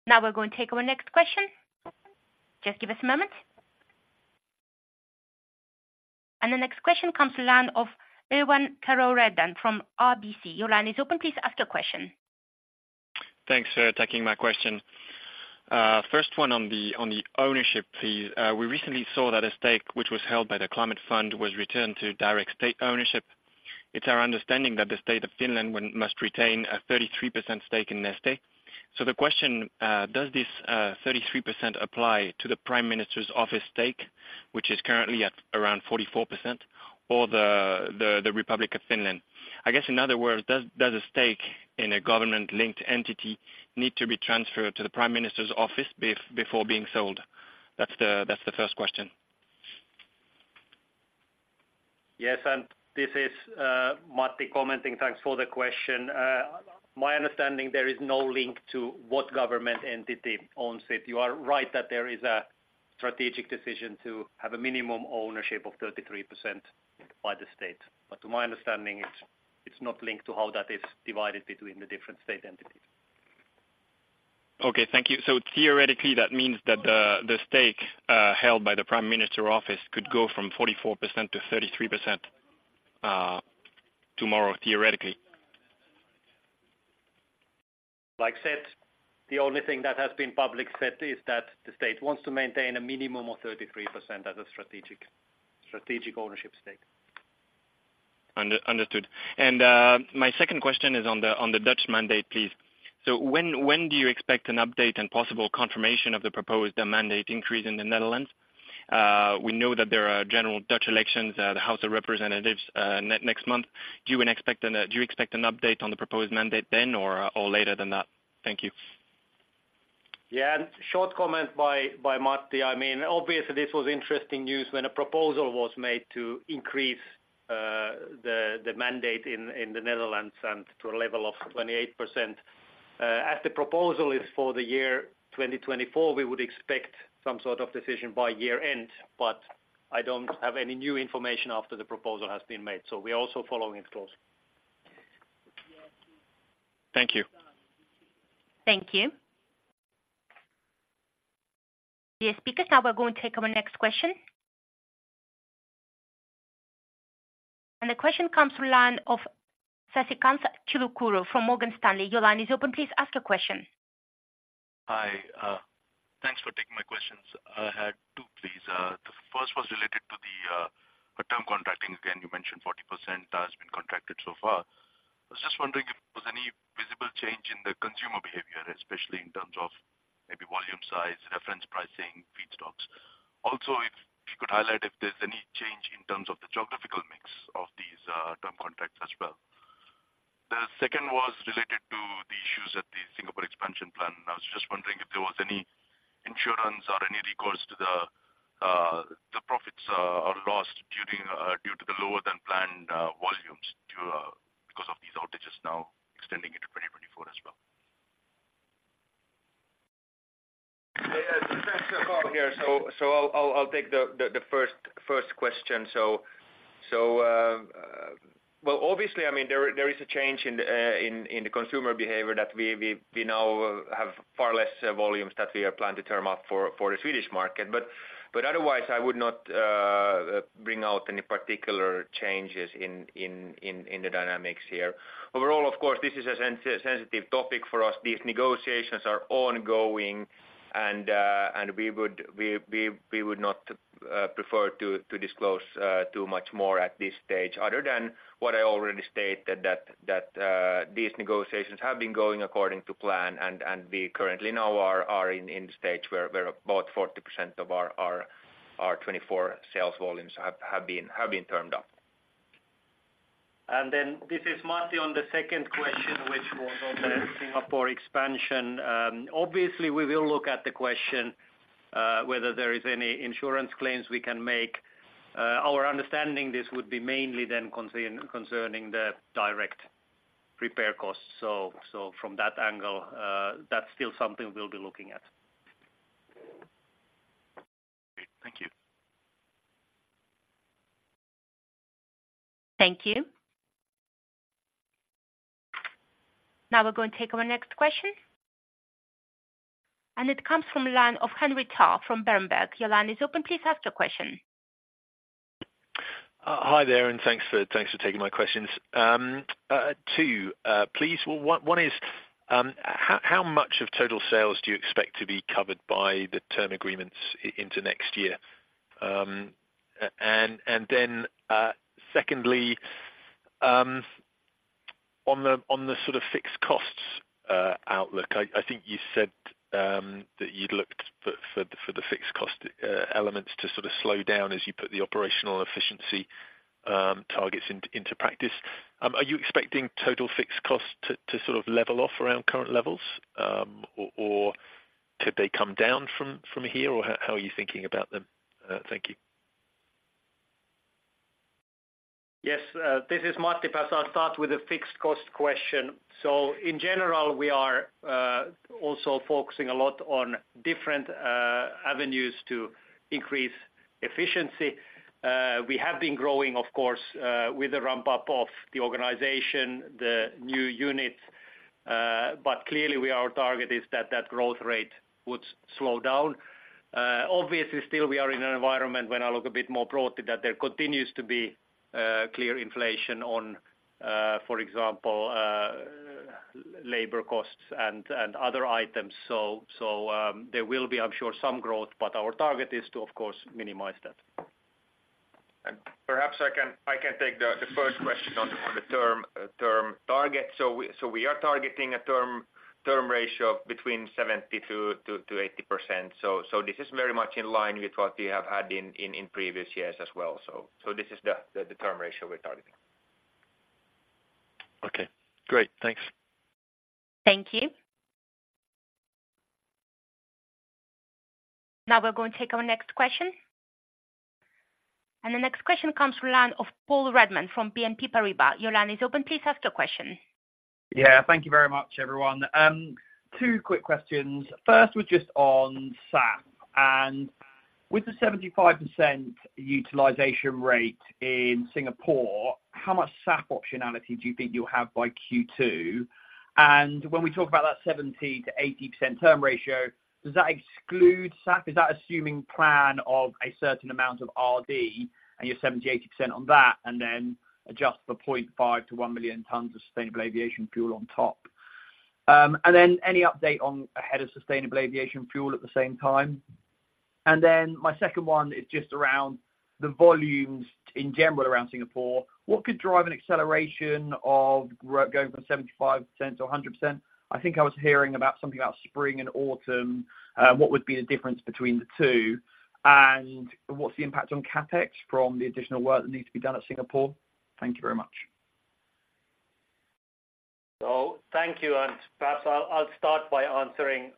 Now we're going to take our next question. Just give us a moment. The next question comes to the line of Erwan Kerouredan from RBC. Your line is open. Please ask your question. Thanks for taking my question. First one on the ownership, please. We recently saw that a stake which was held by the Climate Fund was returned to direct state ownership. It's our understanding that the state of Finland must retain a 33% stake in Neste. So the question, does this 33% apply to the Prime Minister's Office stake, which is currently at around 44%, or the Republic of Finland? I guess, in other words, does a stake in a government-linked entity need to be transferred to the Prime Minister's Office before being sold? That's the first question. Yes, and this is Matti commenting. Thanks for the question. My understanding, there is no link to what government entity owns it. You are right that there is a strategic decision to have a minimum ownership of 33% by the state, but to my understanding, it's not linked to how that is divided between the different state entities. Okay, thank you. So theoretically, that means that the stake held by the Prime Minister Office could go from 44% to 33%, tomorrow, theoretically? Like said, the only thing that has been publicly said is that the state wants to maintain a minimum of 33% as a strategic, strategic ownership stake. Understood. And my second question is on the Dutch mandate, please. So when do you expect an update and possible confirmation of the proposed mandate increase in the Netherlands? We know that there are general Dutch elections at the House of Representatives next month. Do you expect an update on the proposed mandate then, or later than that? Thank you. Yeah, a short comment by Matti. I mean, obviously, this was interesting news when a proposal was made to increase the mandate in the Netherlands to a level of 28%. As the proposal is for the year 2024, we would expect some sort of decision by year end, but I don't have any new information after the proposal has been made, so we are also following it closely. Thank you. Thank you. Dear speakers, now we're going to take our next question. The question comes from the line of Sasikanth Chilukuru from Morgan Stanley. Your line is open, please ask your question. Hi, thanks for taking my questions. I had two, please. The first was related to the term contracting. Again, you mentioned 40% has been contracted so far. I was just wondering if there was any visible change in the consumer behavior, especially in terms of maybe volume, size, reference, pricing, feedstocks. Also, if you could highlight if there's any change in terms of the geographical mix of these term contracts as well. The second was related to the issues at the Singapore expansion plan. I was just wondering if there was any insurance or any recourse to the the profits or loss during due to the lower-than-planned volumes to because of these outages now extending into 2024 as well. Yeah, this is Carl here. So, I'll take the first question. Well, obviously, I mean, there is a change in the consumer behavior that we now have far less volumes that we have planned to term up for the Swedish market. But otherwise, I would not bring out any particular changes in the dynamics here. Overall, of course, this is a sensitive topic for us. These negotiations are ongoing, and we would not prefer to disclose too much more at this stage, other than what I already stated, that these negotiations have been going according to plan, and we currently now are in the stage where about 40% of our 2024 sales volumes have been termed up. Then this is Matti on the second question, which was on the Singapore expansion. Obviously, we will look at the question whether there is any insurance claims we can make. Our understanding, this would be mainly concerning the direct repair costs. So from that angle, that's still something we'll be looking at. Great. Thank you. Thank you. Now we're going to take our next question. It comes from the line of Henry Tarr from Berenberg. Your line is open. Please ask your question. Hi there, and thanks for taking my questions. Two, please. Well, one is how much of total sales do you expect to be covered by the term agreements into next year? And then, secondly, on the sort of fixed costs outlook, I think you said that you'd looked for the fixed cost elements to sort of slow down as you put the operational efficiency targets into practice. Are you expecting total fixed costs to sort of level off around current levels? Or could they come down from here, or how are you thinking about them? Thank you. Yes, this is Matti. But I'll start with the fixed cost question. So in general, we are also focusing a lot on different avenues to increase efficiency. We have been growing, of course, with the ramp-up of the organization, the new units, but clearly we, our target is that that growth rate would slow down. Obviously, still, we are in an environment, when I look a bit more broadly, that there continues to be clear inflation on, for example, labor costs and other items. So, there will be, I'm sure, some growth, but our target is to, of course, minimize that. Perhaps I can take the first question on the term target. So we are targeting a term ratio of between 70%-80%. So this is very much in line with what we have had in previous years as well. So this is the term ratio we're targeting. Okay, great. Thanks. Thank you. Now we're going to take our next question. The next question comes from line of Paul Redman from BNP Paribas. Your line is open. Please ask your question. Yeah, thank you very much, everyone. Two quick questions. First was just on SAF, and with the 75% utilization rate in Singapore, how much SAF optionality do you think you'll have by Q2? And when we talk about that 70%-80% term ratio, does that exclude SAF? Is that assuming plan of a certain amount of RD and your 70%-80% on that, and then adjust for 0.5 million-1 million tons of sustainable aviation fuel on top? And then any update on ahead of sustainable aviation fuel at the same time? And then my second one is just around the volumes in general around Singapore. What could drive an acceleration of growth going from 75%-100%? I think I was hearing about something about spring and autumn. What would be the difference between the two? And what's the impact on CapEx from the additional work that needs to be done at Singapore? Thank you very much. So thank you, and perhaps I'll start by answering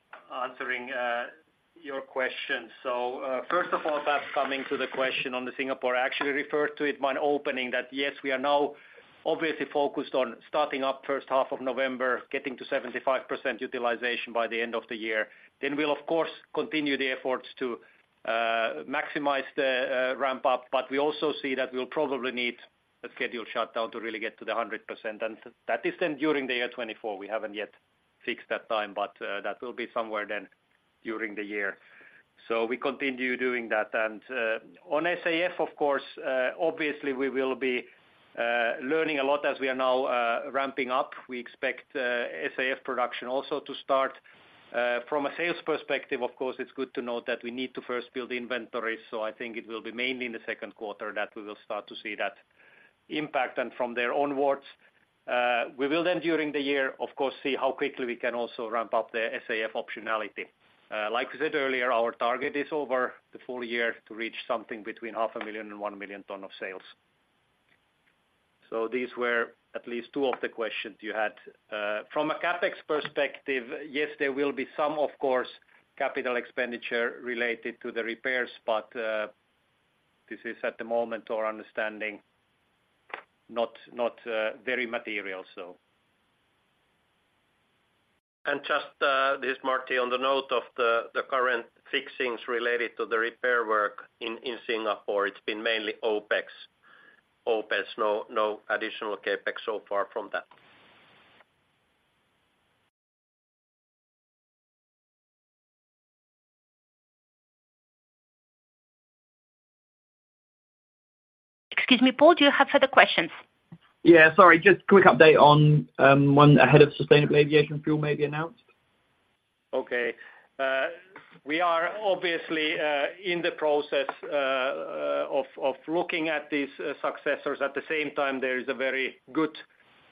your question. So, first of all, perhaps coming to the question on the Singapore, I actually referred to it in my opening that, yes, we are now obviously focused on starting up first half of November, getting to 75% utilization by the end of the year. Then we'll of course continue the efforts to maximize the ramp up. But we also see that we'll probably need a scheduled shutdown to really get to the 100%, and that is then during the year 2024. We haven't yet fixed that time, but that will be somewhere then during the year. So we continue doing that. And on SAF, of course, obviously we will be learning a lot as we are now ramping up. We expect SAF production also to start from a sales perspective, of course. It's good to know that we need to first build the inventory. So I think it will be mainly in the second quarter that we will start to see that impact. And from there onwards, we will then during the year, of course, see how quickly we can also ramp up the SAF optionality. Like I said earlier, our target is over the full-year to reach something between 500,000 and 1 million ton of sales. So these were at least two of the questions you had. From a CapEx perspective, yes, there will be some, of course, capital expenditure related to the repairs, but this is at the moment our understanding, not, not very material, so. Just, this is Martti, on the note of the current fixings related to the repair work in Singapore, it's been mainly OpEx. OpEx, no additional CapEx so far from that. Excuse me, Paul, do you have further questions? Yeah, sorry. Just quick update on when ahead of sustainable aviation fuel may be announced. Okay. We are obviously in the process of looking at these successors. At the same time, there is a very good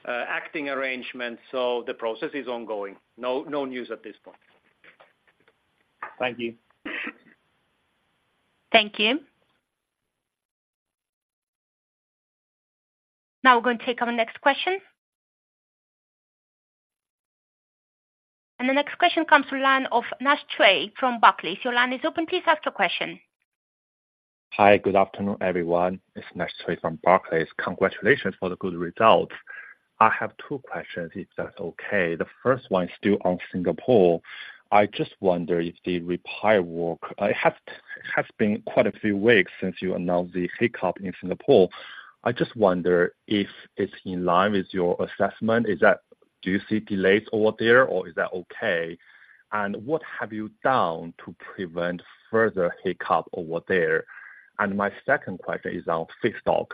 acting arrangement, so the process is ongoing. No, no news at this point. Thank you. Thank you. Now we're going to take our next question. The next question comes from the line of Naisheng Cui from Barclays. Your line is open. Please ask your question. Hi, good afternoon, everyone. It's Naisheng from Barclays. Congratulations for the good results. I have two questions, if that's okay. The first one is still on Singapore. I just wonder if the repair work has been quite a few weeks since you announced the hiccup in Singapore. I just wonder if it's in line with your assessment, is that, do you see delays over there, or is that okay? And what have you done to prevent further hiccup over there? And my second question is on feedstock.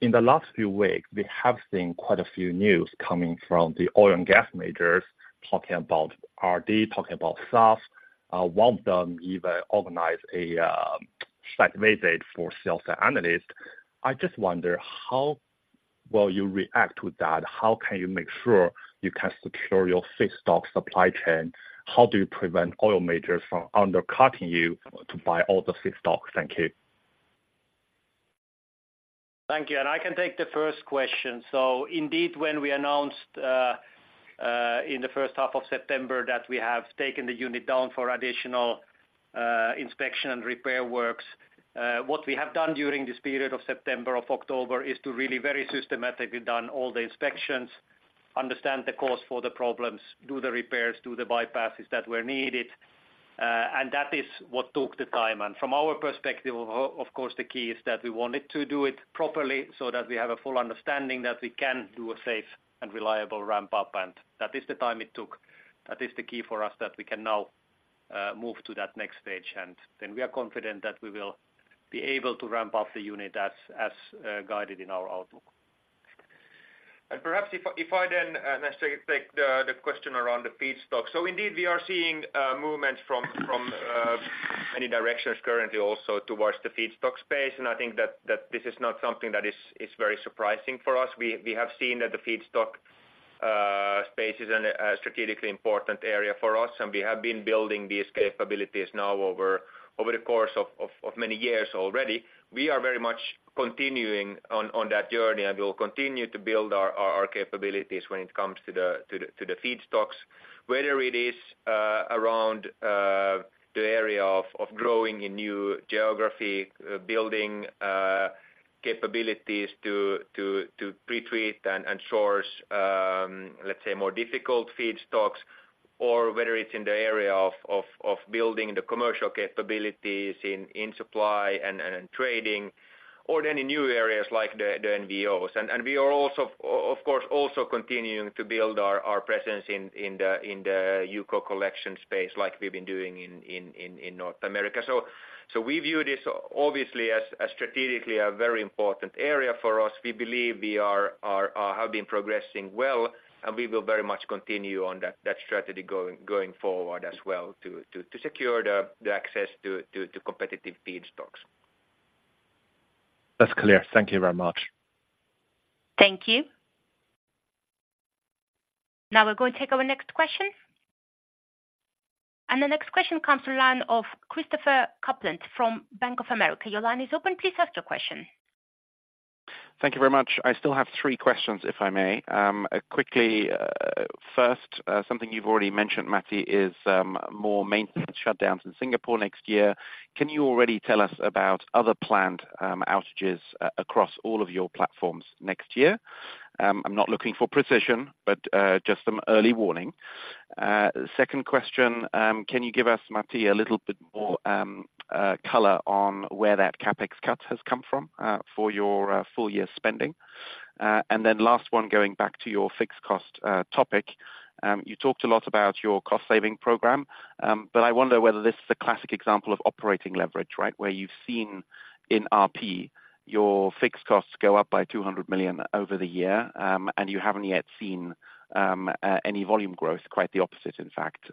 In the last few weeks, we have seen quite a few news coming from the oil and gas majors, talking about RD, talking about SAF. One of them even organized a site visit for sell-side analysts. I just wonder, how will you react to that? How can you make sure you can secure your feedstock supply chain? How do you prevent oil majors from undercutting you to buy all the feedstock? Thank you. Thank you. I can take the first question. Indeed, when we announced in the first half of September that we have taken the unit down for additional inspection and repair works, what we have done during this period of September, of October, is to really very systematically done all the inspections, understand the cause for the problems, do the repairs, do the bypasses that were needed, and that is what took the time. From our perspective, of course, the key is that we wanted to do it properly so that we have a full understanding that we can do a safe and reliable ramp up, and that is the time it took. That is the key for us that we can now move to that next stage, and then we are confident that we will be able to ramp up the unit as guided in our outlook. Perhaps if I then, Naish, take the question around the feedstock. So indeed, we are seeing movements from many directions currently also towards the feedstock space. And I think that this is not something that is very surprising for us. We have seen that the feedstock space is a strategically important area for us, and we have been building these capabilities now over the course of many years already. We are very much continuing on that journey, and we will continue to build our capabilities when it comes to the feedstocks. Whether it is around the area of growing in new geography, building capabilities to pre-treat and source, let's say, more difficult feedstocks, or whether it's in the area of building the commercial capabilities in supply and trading, or any new areas like the NVOs. We are also, of course, continuing to build our presence in the UCO collection space, like we've been doing in North America. We view this obviously as strategically a very important area for us. We believe we have been progressing well, and we will very much continue on that strategy going forward as well to secure the access to competitive feedstocks. That's clear. Thank you very much. Thank you. Now we're going to take our next question. The next question comes from the line of Christopher Kuplent from Bank of America. Your line is open. Please ask your question. Thank you very much. I still have three questions, if I may. Quickly, first, something you've already mentioned, Matti, is more maintenance shutdowns in Singapore next year. Can you already tell us about other planned outages across all of your platforms next year? I'm not looking for precision, but just some early warning. Second question, can you give us, Matti, a little bit more color on where that CapEx cut has come from for your full year spending? And then last one, going back to your fixed cost topic, you talked a lot about your cost saving program, but I wonder whether this is a classic example of operating leverage, right? Where you've seen in RP, your fixed costs go up by 200 million over the year, and you haven't yet seen any volume growth, quite the opposite, in fact,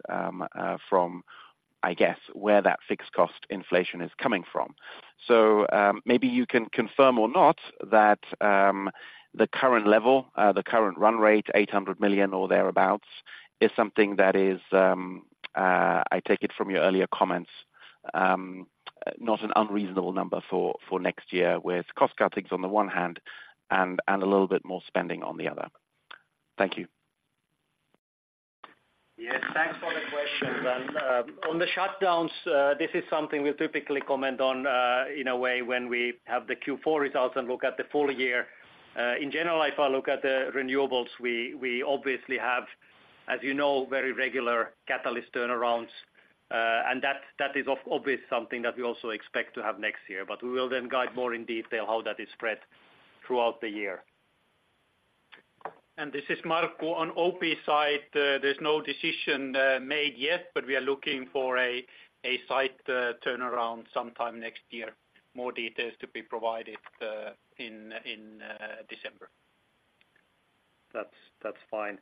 from, I guess, where that fixed cost inflation is coming from. So, maybe you can confirm or not that, the current level, the current run rate, 800 million or thereabout, is something that is, I take it from your earlier comments, not an unreasonable number for, for next year, with cost cuttings on the one hand and, and a little bit more spending on the other. Thank you. Yes, thanks for the question. On the shutdowns, this is something we'll typically comment on, in a way, when we have the Q4 results and look at the full-year. In general, if I look at the renewables, we obviously have, as you know, very regular catalyst turnarounds, and that is obviously something that we also expect to have next year. But we will then guide more in detail how that is spread throughout the year. This is Markku. On OP side, there's no decision made yet, but we are looking for a site turnaround sometime next year. More details to be provided in December. That's fine.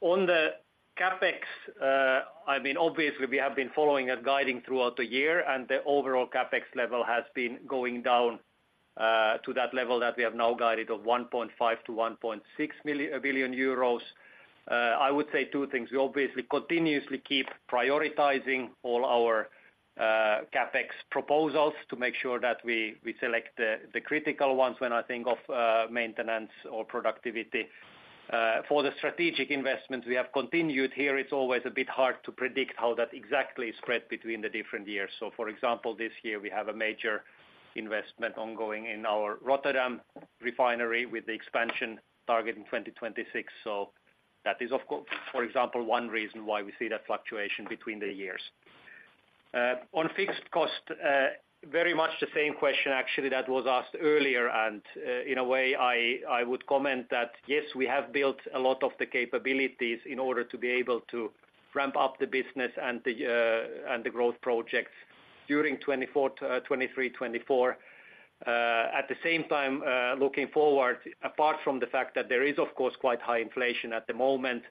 On the CapEx, I mean, obviously we have been following and guiding throughout the year, and the overall CapEx level has been going down to that level that we have now guided of 1.5 billion-1.6 billion euros. I would say two things. We obviously continuously keep prioritizing all our CapEx proposals to make sure that we select the critical ones when I think of maintenance or productivity. For the strategic investments we have continued here, it's always a bit hard to predict how that exactly is spread between the different years. So for example, this year we have a major investment ongoing in our Rotterdam refinery with the expansion target in 2026. So that is, of course, for example, one reason why we see that fluctuation between the years. On fixed cost, very much the same question actually that was asked earlier. In a way, I, I would comment that, yes, we have built a lot of the capabilities in order to be able to ramp up the business and the, and the growth projects during 2024 to, 2023, 2024. At the same time, looking forward, apart from the fact that there is, of course, quite high inflation at the moment,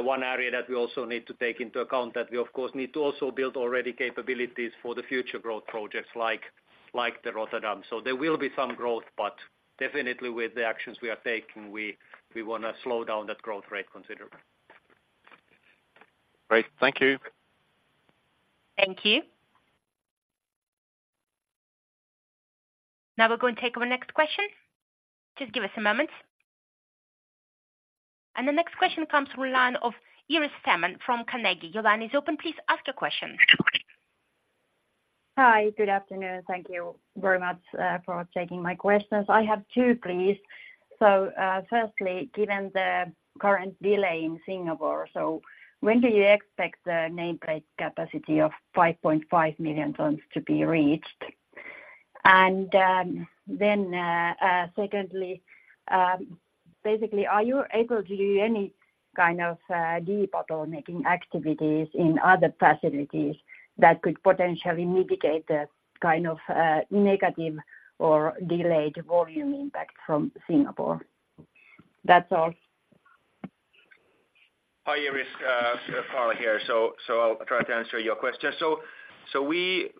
one area that we also need to take into account that we of course, need to also build already capabilities for the future growth projects like, like the Rotterdam. So there will be some growth, but definitely with the actions we are taking, we, we wanna slow down that growth rate considerably. Great. Thank you. Thank you. Now we're going to take our next question. Just give us a moment. The next question comes from the line of Iiris Theman from Carnegie. Your line is open. Please ask your question. Hi. Good afternoon. Thank you very much for taking my questions. I have two, please. So, firstly, given the current delay in Singapore, so when do you expect the nameplate capacity of 5.5 million tons to be reached? And, then, secondly, basically, are you able to do any kind of debottlenecking activities in other facilities that could potentially mitigate the kind of negative or delayed volume impact from Singapore? That's all. Hi, Iiris, Carl here. I'll try to answer your question. So we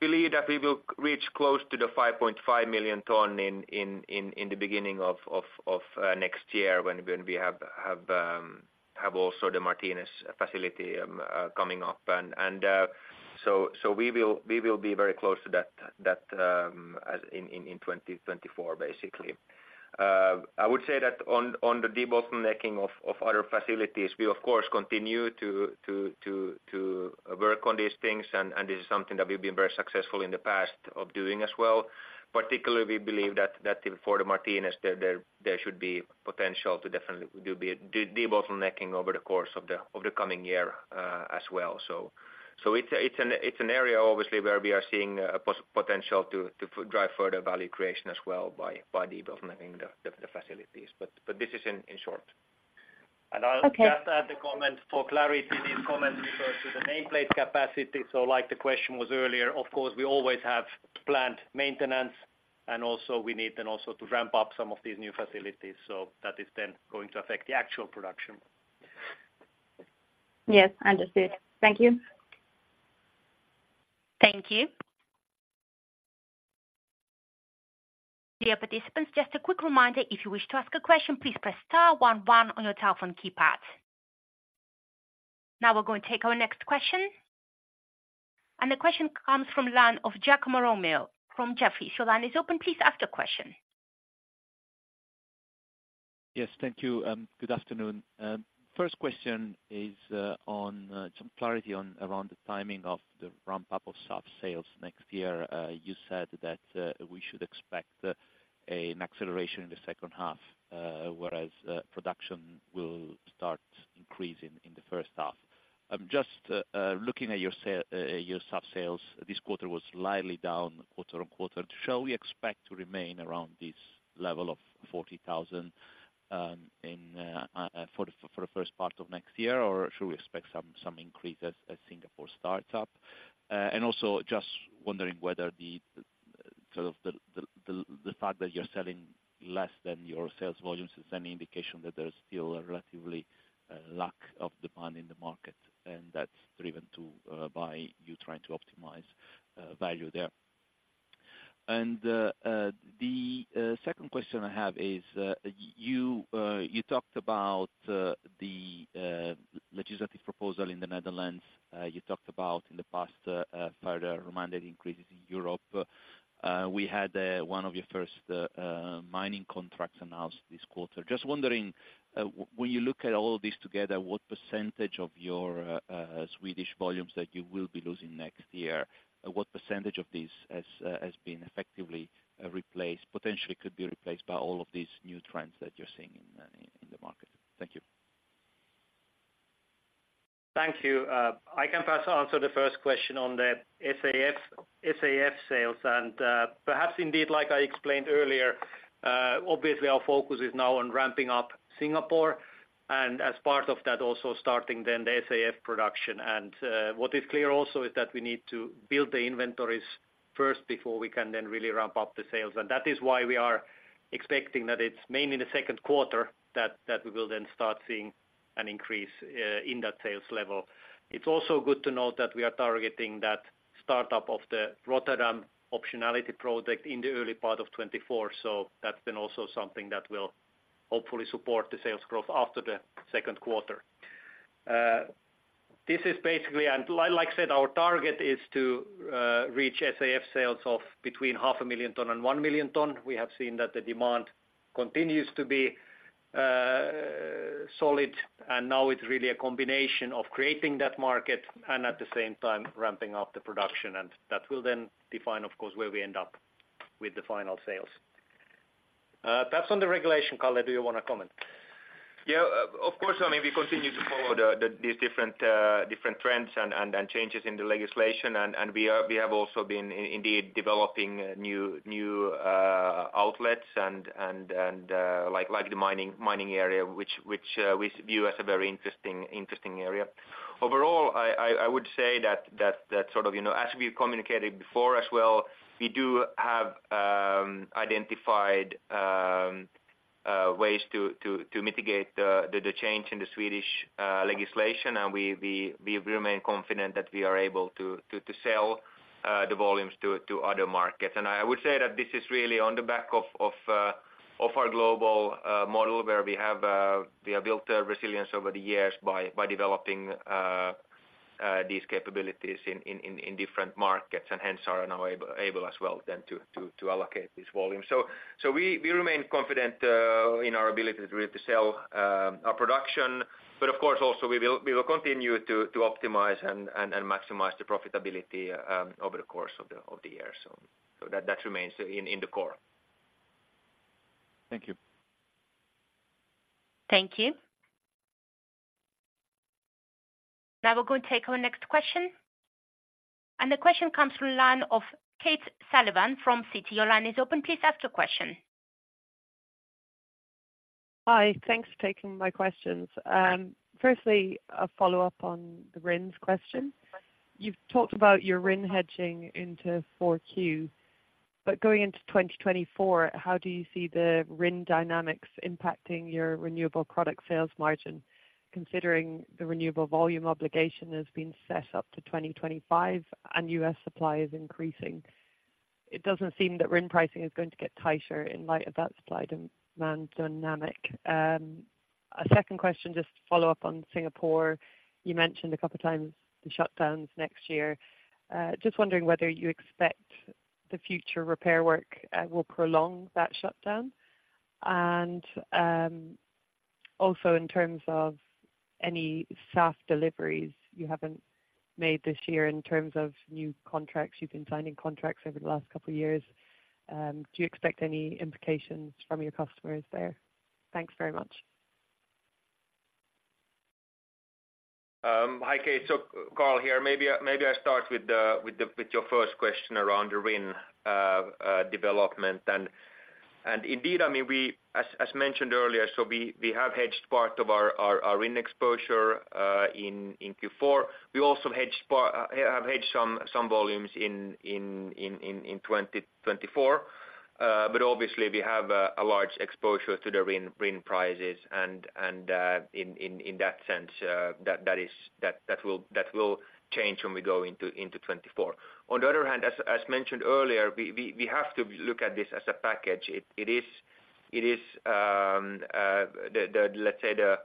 believe that we will reach close to the 5.5 million ton in the beginning of next year when we have also the Martinez facility coming up. And so we will be very close to that as in 2024, basically. I would say that on the debottlenecking of other facilities, we of course continue to work on these things. And this is something that we've been very successful in the past of doing as well. Particularly, we believe that for the Martinez, there should be potential to definitely do debottlenecking over the course of the coming year, as well. So, it's an area obviously where we are seeing potential to drive further value creation as well by debottlenecking the facilities. But this is in short. Okay. I'll just add a comment for clarity. These comments refer to the Nameplate capacity. So like the question was earlier, of course, we always have planned maintenance, and also we need then also to ramp up some of these new facilities, so that is then going to affect the actual production.... Yes, understood. Thank you. Thank you. Dear participants, just a quick reminder, if you wish to ask a question, please press Star one, one on your telephone keypad. Now we're going to take our next question. The question comes from the line of Giacomo Romeo from Jefferies. Your line is open. Please ask your question. Yes, thank you. Good afternoon. First question is on some clarity around the timing of the ramp-up of SAF sales next year. You said that we should expect an acceleration in the second half, whereas production will start increasing in the first half. Just looking at your SAF sales, this quarter was slightly down quarter-over-quarter. Shall we expect to remain around this level of 40,000 for the first part of next year? Or should we expect some increase as Singapore starts up? And also just wondering whether the sort of the fact that you're selling less than your sales volumes is any indication that there's still a relatively lack of demand in the market, and that's driven to by you trying to optimize value there. And the second question I have is, you talked about the legislative proposal in the Netherlands. You talked about in the past further mandated increases in Europe. We had one of your first mining contracts announced this quarter. Just wondering, when you look at all of this together, what percentage of your Swedish volumes that you will be losing next year, what percentage of this has been effectively replaced, potentially could be replaced by all of these new trends that you're seeing in the market? Thank you. Thank you. I can first answer the first question on the SAF, SAF sales, and, perhaps indeed, like I explained earlier, obviously our focus is now on ramping up Singapore, and as part of that, also starting then the SAF production. And, what is clear also is that we need to build the inventories first before we can then really ramp up the sales. And that is why we are expecting that it's mainly in the second quarter, that we will then start seeing an increase in that sales level. It's also good to note that we are targeting that startup of the Rotterdam optionality project in the early part of 2024, so that's then also something that will hopefully support the sales growth after the second quarter. This is basically... Like I said, our target is to reach SAF sales of between 500,000 tons and 1 million tons. We have seen that the demand continues to be solid, and now it's really a combination of creating that market and at the same time ramping up the production. That will then define, of course, where we end up with the final sales. Perhaps on the regulation, Carl, do you want to comment? Yeah, of course. I mean, we continue to follow these different trends and changes in the legislation. And we have also been indeed developing new outlets and, like the mining area, which we view as a very interesting area. Overall, I would say that sort of, you know, as we've communicated before as well, we do have identified ways to mitigate the change in the Swedish legislation. And we remain confident that we are able to sell the volumes to other markets. And I would say that this is really on the back of our global model, where we have built a resilience over the years by developing these capabilities in different markets, and hence are now able as well to allocate this volume. So we remain confident in our ability to sell our production. But of course, also we will continue to optimize and maximize the profitability over the course of the year. So that remains in the core. Thank you. Thank you. Now we're going to take our next question, and the question comes from line of Kate O'Sullivan from Citi. Your line is open. Please ask your question. Hi, thanks for taking my questions. Firstly, a follow-up on the RINs question. You've talked about your RIN hedging into Q4, but going into 2024, how do you see the RIN dynamics impacting your renewable product sales margin, considering the renewable volume obligation has been set up to 2025 and U.S. supply is increasing? It doesn't seem that RIN pricing is going to get tighter in light of that supply demand dynamic. A second question, just to follow up on Singapore. You mentioned a couple of times the shutdowns next year. Just wondering whether you expect the future repair work will prolong that shutdown? And, also in terms of any SAF deliveries you haven't made this year, in terms of new contracts, you've been signing contracts over the last couple of years, do you expect any implications from your customers there? Thanks very much. Hi, Kate. So Carl here, maybe I start with the, with the, with your first question around the RIN development and... And indeed, I mean, we, as, as mentioned earlier, so we, we, we have hedged part of our, our, our index exposure, in, in Q4. We also have hedged some, some volumes in, in, in, in, in 2024. But obviously we have a, a large exposure to the RIN, RIN prices and, and, in, in, in that sense, that, that is, that, that will, that will change when we go into, into 2024. On the other hand, as, as mentioned earlier, we, we, we have to look at this as a package. It is, let's say, the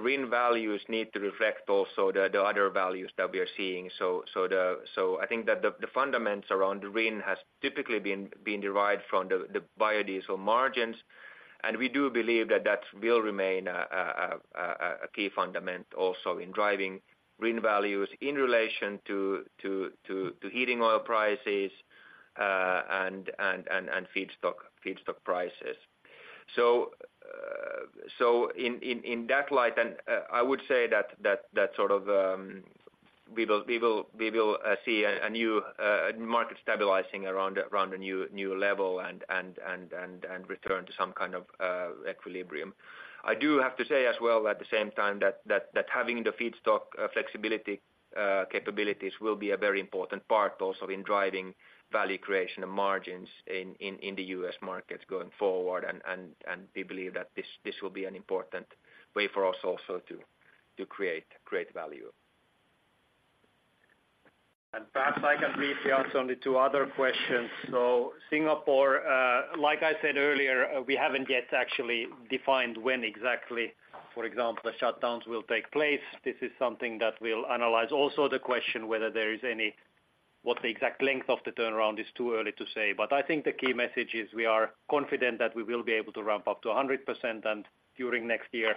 RIN values need to reflect also the other values that we are seeing. So I think that the fundamentals around RIN has typically been derived from the biodiesel margins, and we do believe that will remain a key fundamental also in driving RIN values in relation to heating oil prices, and feedstock prices. So, in that light, I would say that sort of we will see a new market stabilizing around a new level and return to some kind of equilibrium. I do have to say as well at the same time, that having the feedstock flexibility capabilities will be a very important part also in driving value creation and margins in the U.S. market going forward. We believe that this will be an important way for us also to create value. Perhaps I can briefly answer only two other questions. So Singapore, like I said earlier, we haven't yet actually defined when exactly, for example, the shutdowns will take place. This is something that we'll analyze. Also, the question whether there is any, what the exact length of the turnaround is too early to say. But I think the key message is we are confident that we will be able to ramp up to 100% and during next year,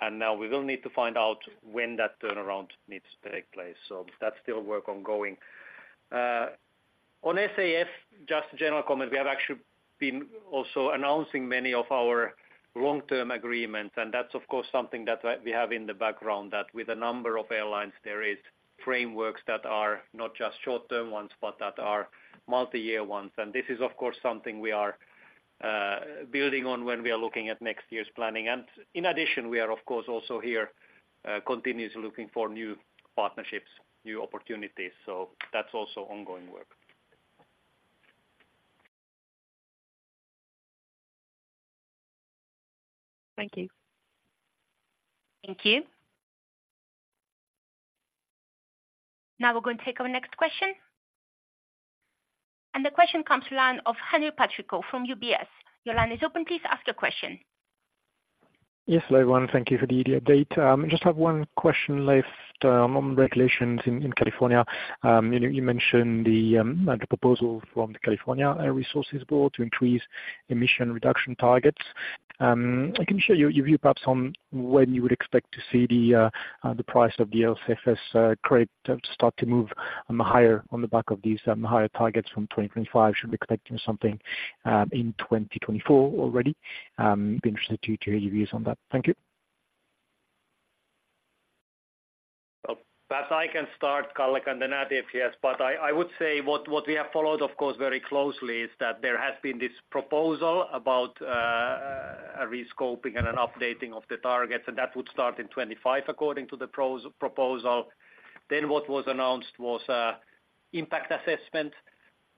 and now we will need to find out when that turnaround needs to take place. So that's still work ongoing. On SAF, just a general comment, we have actually been also announcing many of our long-term agreements, and that's of course something that we have in the background, that with a number of airlines, there is frameworks that are not just short-term ones, but that are multi-year ones. And this is, of course, something we are building on when we are looking at next year's planning. And in addition, we are of course also here continuously looking for new partnerships, new opportunities. So that's also ongoing work. Thank you. Thank you. Now we're going to take our next question. And the question comes from the line of Henri Patricot from UBS. Your line is open. Please ask your question. Yes, hello, everyone. Thank you for the update. I just have one question left, on regulations in California. You know, you mentioned the proposal from the California Air Resources Board to increase emission reduction targets. I can share your view perhaps on when you would expect to see the price of the LCFS credit start to move higher on the back of these higher targets from 2025, should we be collecting something in 2024 already? Be interested to hear your views on that. Thank you. Well, perhaps I can start, Carl, and then add if yes, but I would say what we have followed, of course, very closely, is that there has been this proposal about a rescoping and an updating of the targets, and that would start in 2025, according to the proposal. Then what was announced was impact assessment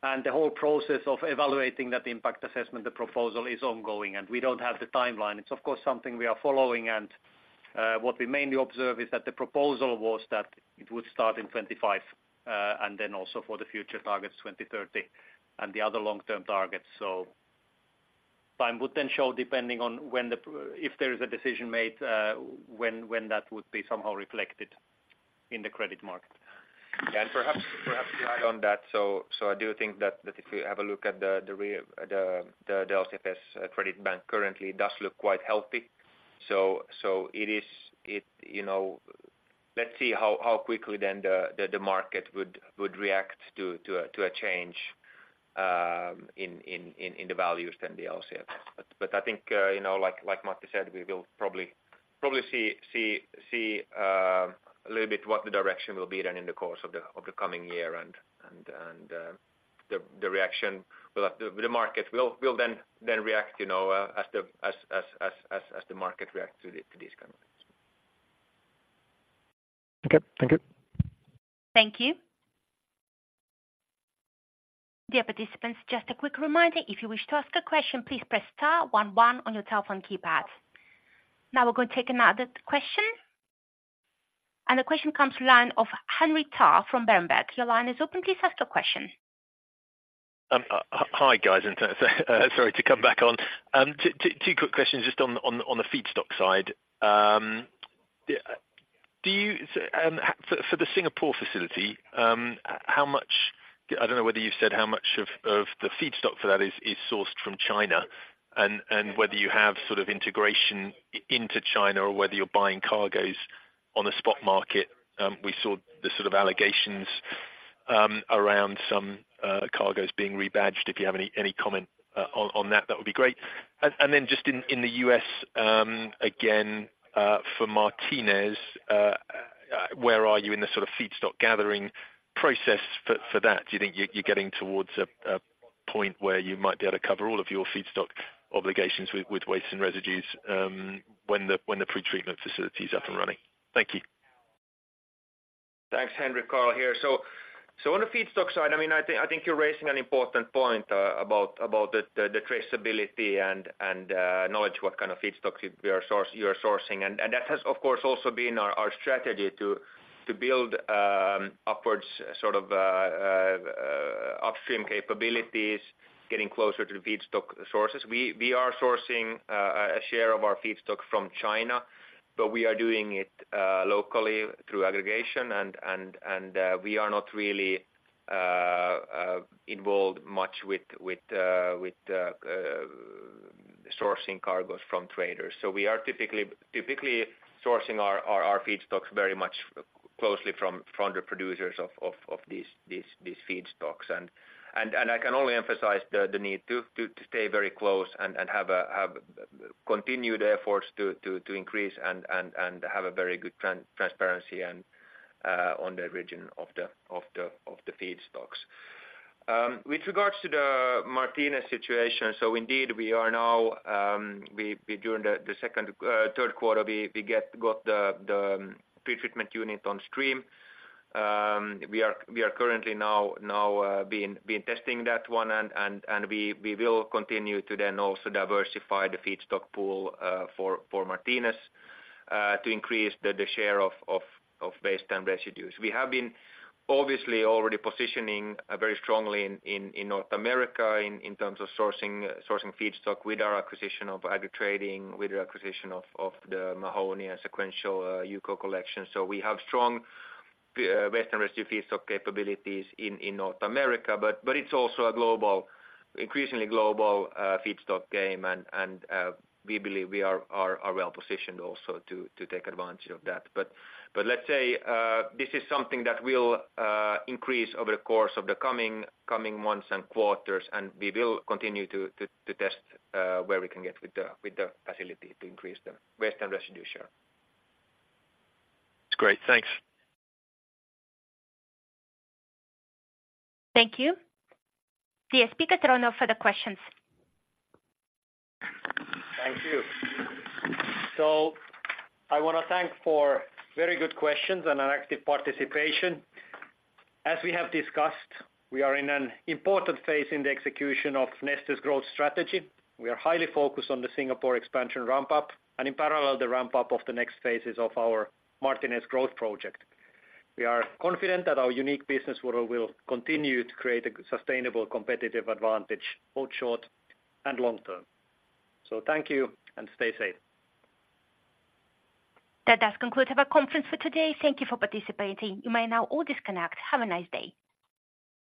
and the whole process of evaluating that impact assessment, the proposal is ongoing, and we don't have the timeline. It's of course something we are following, and what we mainly observe is that the proposal was that it would start in 2025, and then also for the future targets, 2030, and the other long-term targets. So time would then show, depending on when, if there is a decision made, when that would be somehow reflected in the credit market. Yeah, and perhaps to add on that, so I do think that if you have a look at the LCFS credit bank currently does look quite healthy. So it is. You know, let's see how quickly then the market would react to a change in the values of the LCFS. But I think, you know, like Matti said, we will probably see a little bit what the direction will be then in the course of the coming year and the market will then react, you know, as the market reacts to these kind of things. Okay. Thank you. Thank you. Dear participants, just a quick reminder, if you wish to ask a question, please press Star one one on your telephone keypad. Now we're going to take another question. The question comes from the line of Henry Tarr from Bernstein. Your line is open. Please ask your question. Hi, guys. Sorry to come back on. Two quick questions just on the feedstock side. Do you, for the Singapore facility, how much... I don't know whether you've said how much of the feedstock for that is sourced from China, and whether you have sort of integration into China or whether you're buying cargoes on the spot market. We saw the sort of allegations around some cargoes being rebadged. If you have any comment on that, that would be great. And then just in the U.S., again, for Martinez, where are you in the sort of feedstock gathering process for that? Do you think you're getting towards a point where you might be able to cover all of your feedstock obligations with waste and residues, when the pretreatment facility is up and running? Thank you. Thanks, Henry. Carl here. So on the feedstock side, I mean, I think you're raising an important point about the traceability and knowledge what kind of feedstocks you are sourcing. And that has, of course, also been our strategy to build upwards sort of upstream capabilities, getting closer to the feedstock sources. We are sourcing a share of our feedstock from China, but we are doing it locally through aggregation and we are not really involved much with sourcing cargos from traders. So we are typically sourcing our feedstocks very much closely from the producers of these feedstocks. I can only emphasize the need to stay very close and have continued efforts to increase and have a very good transparency and on the origin of the feedstocks. With regards to the Martinez situation, so indeed, we are now, we during the second, third quarter, we got the pretreatment unit on stream. We are currently now being testing that one, and we will continue to then also diversify the feedstock pool for Martinez to increase the share of waste and residues. We have been obviously already positioning very strongly in North America in terms of sourcing feedstock with our acquisition of Agri Trading, with the acquisition of the Mahoney and Crimson UCO collection. So we have strong waste and residue feedstock capabilities in North America. But it's also a global, increasingly global feedstock game, and we believe we are well positioned also to take advantage of that. But let's say this is something that will increase over the course of the coming months and quarters, and we will continue to test where we can get with the facility to increase the waste and residue share. It's great. Thanks. Thank you. The speaker turn off for the questions. Thank you. So I wanna thank for very good questions and an active participation. As we have discussed, we are in an important phase in the execution of Neste's growth strategy. We are highly focused on the Singapore expansion ramp-up, and in parallel, the ramp-up of the next phases of our Martinez growth project. We are confident that our unique business model will continue to create a sustainable competitive advantage, both short and long term. So thank you, and stay safe. That does conclude our conference for today. Thank you for participating. You may now all disconnect. Have a nice day.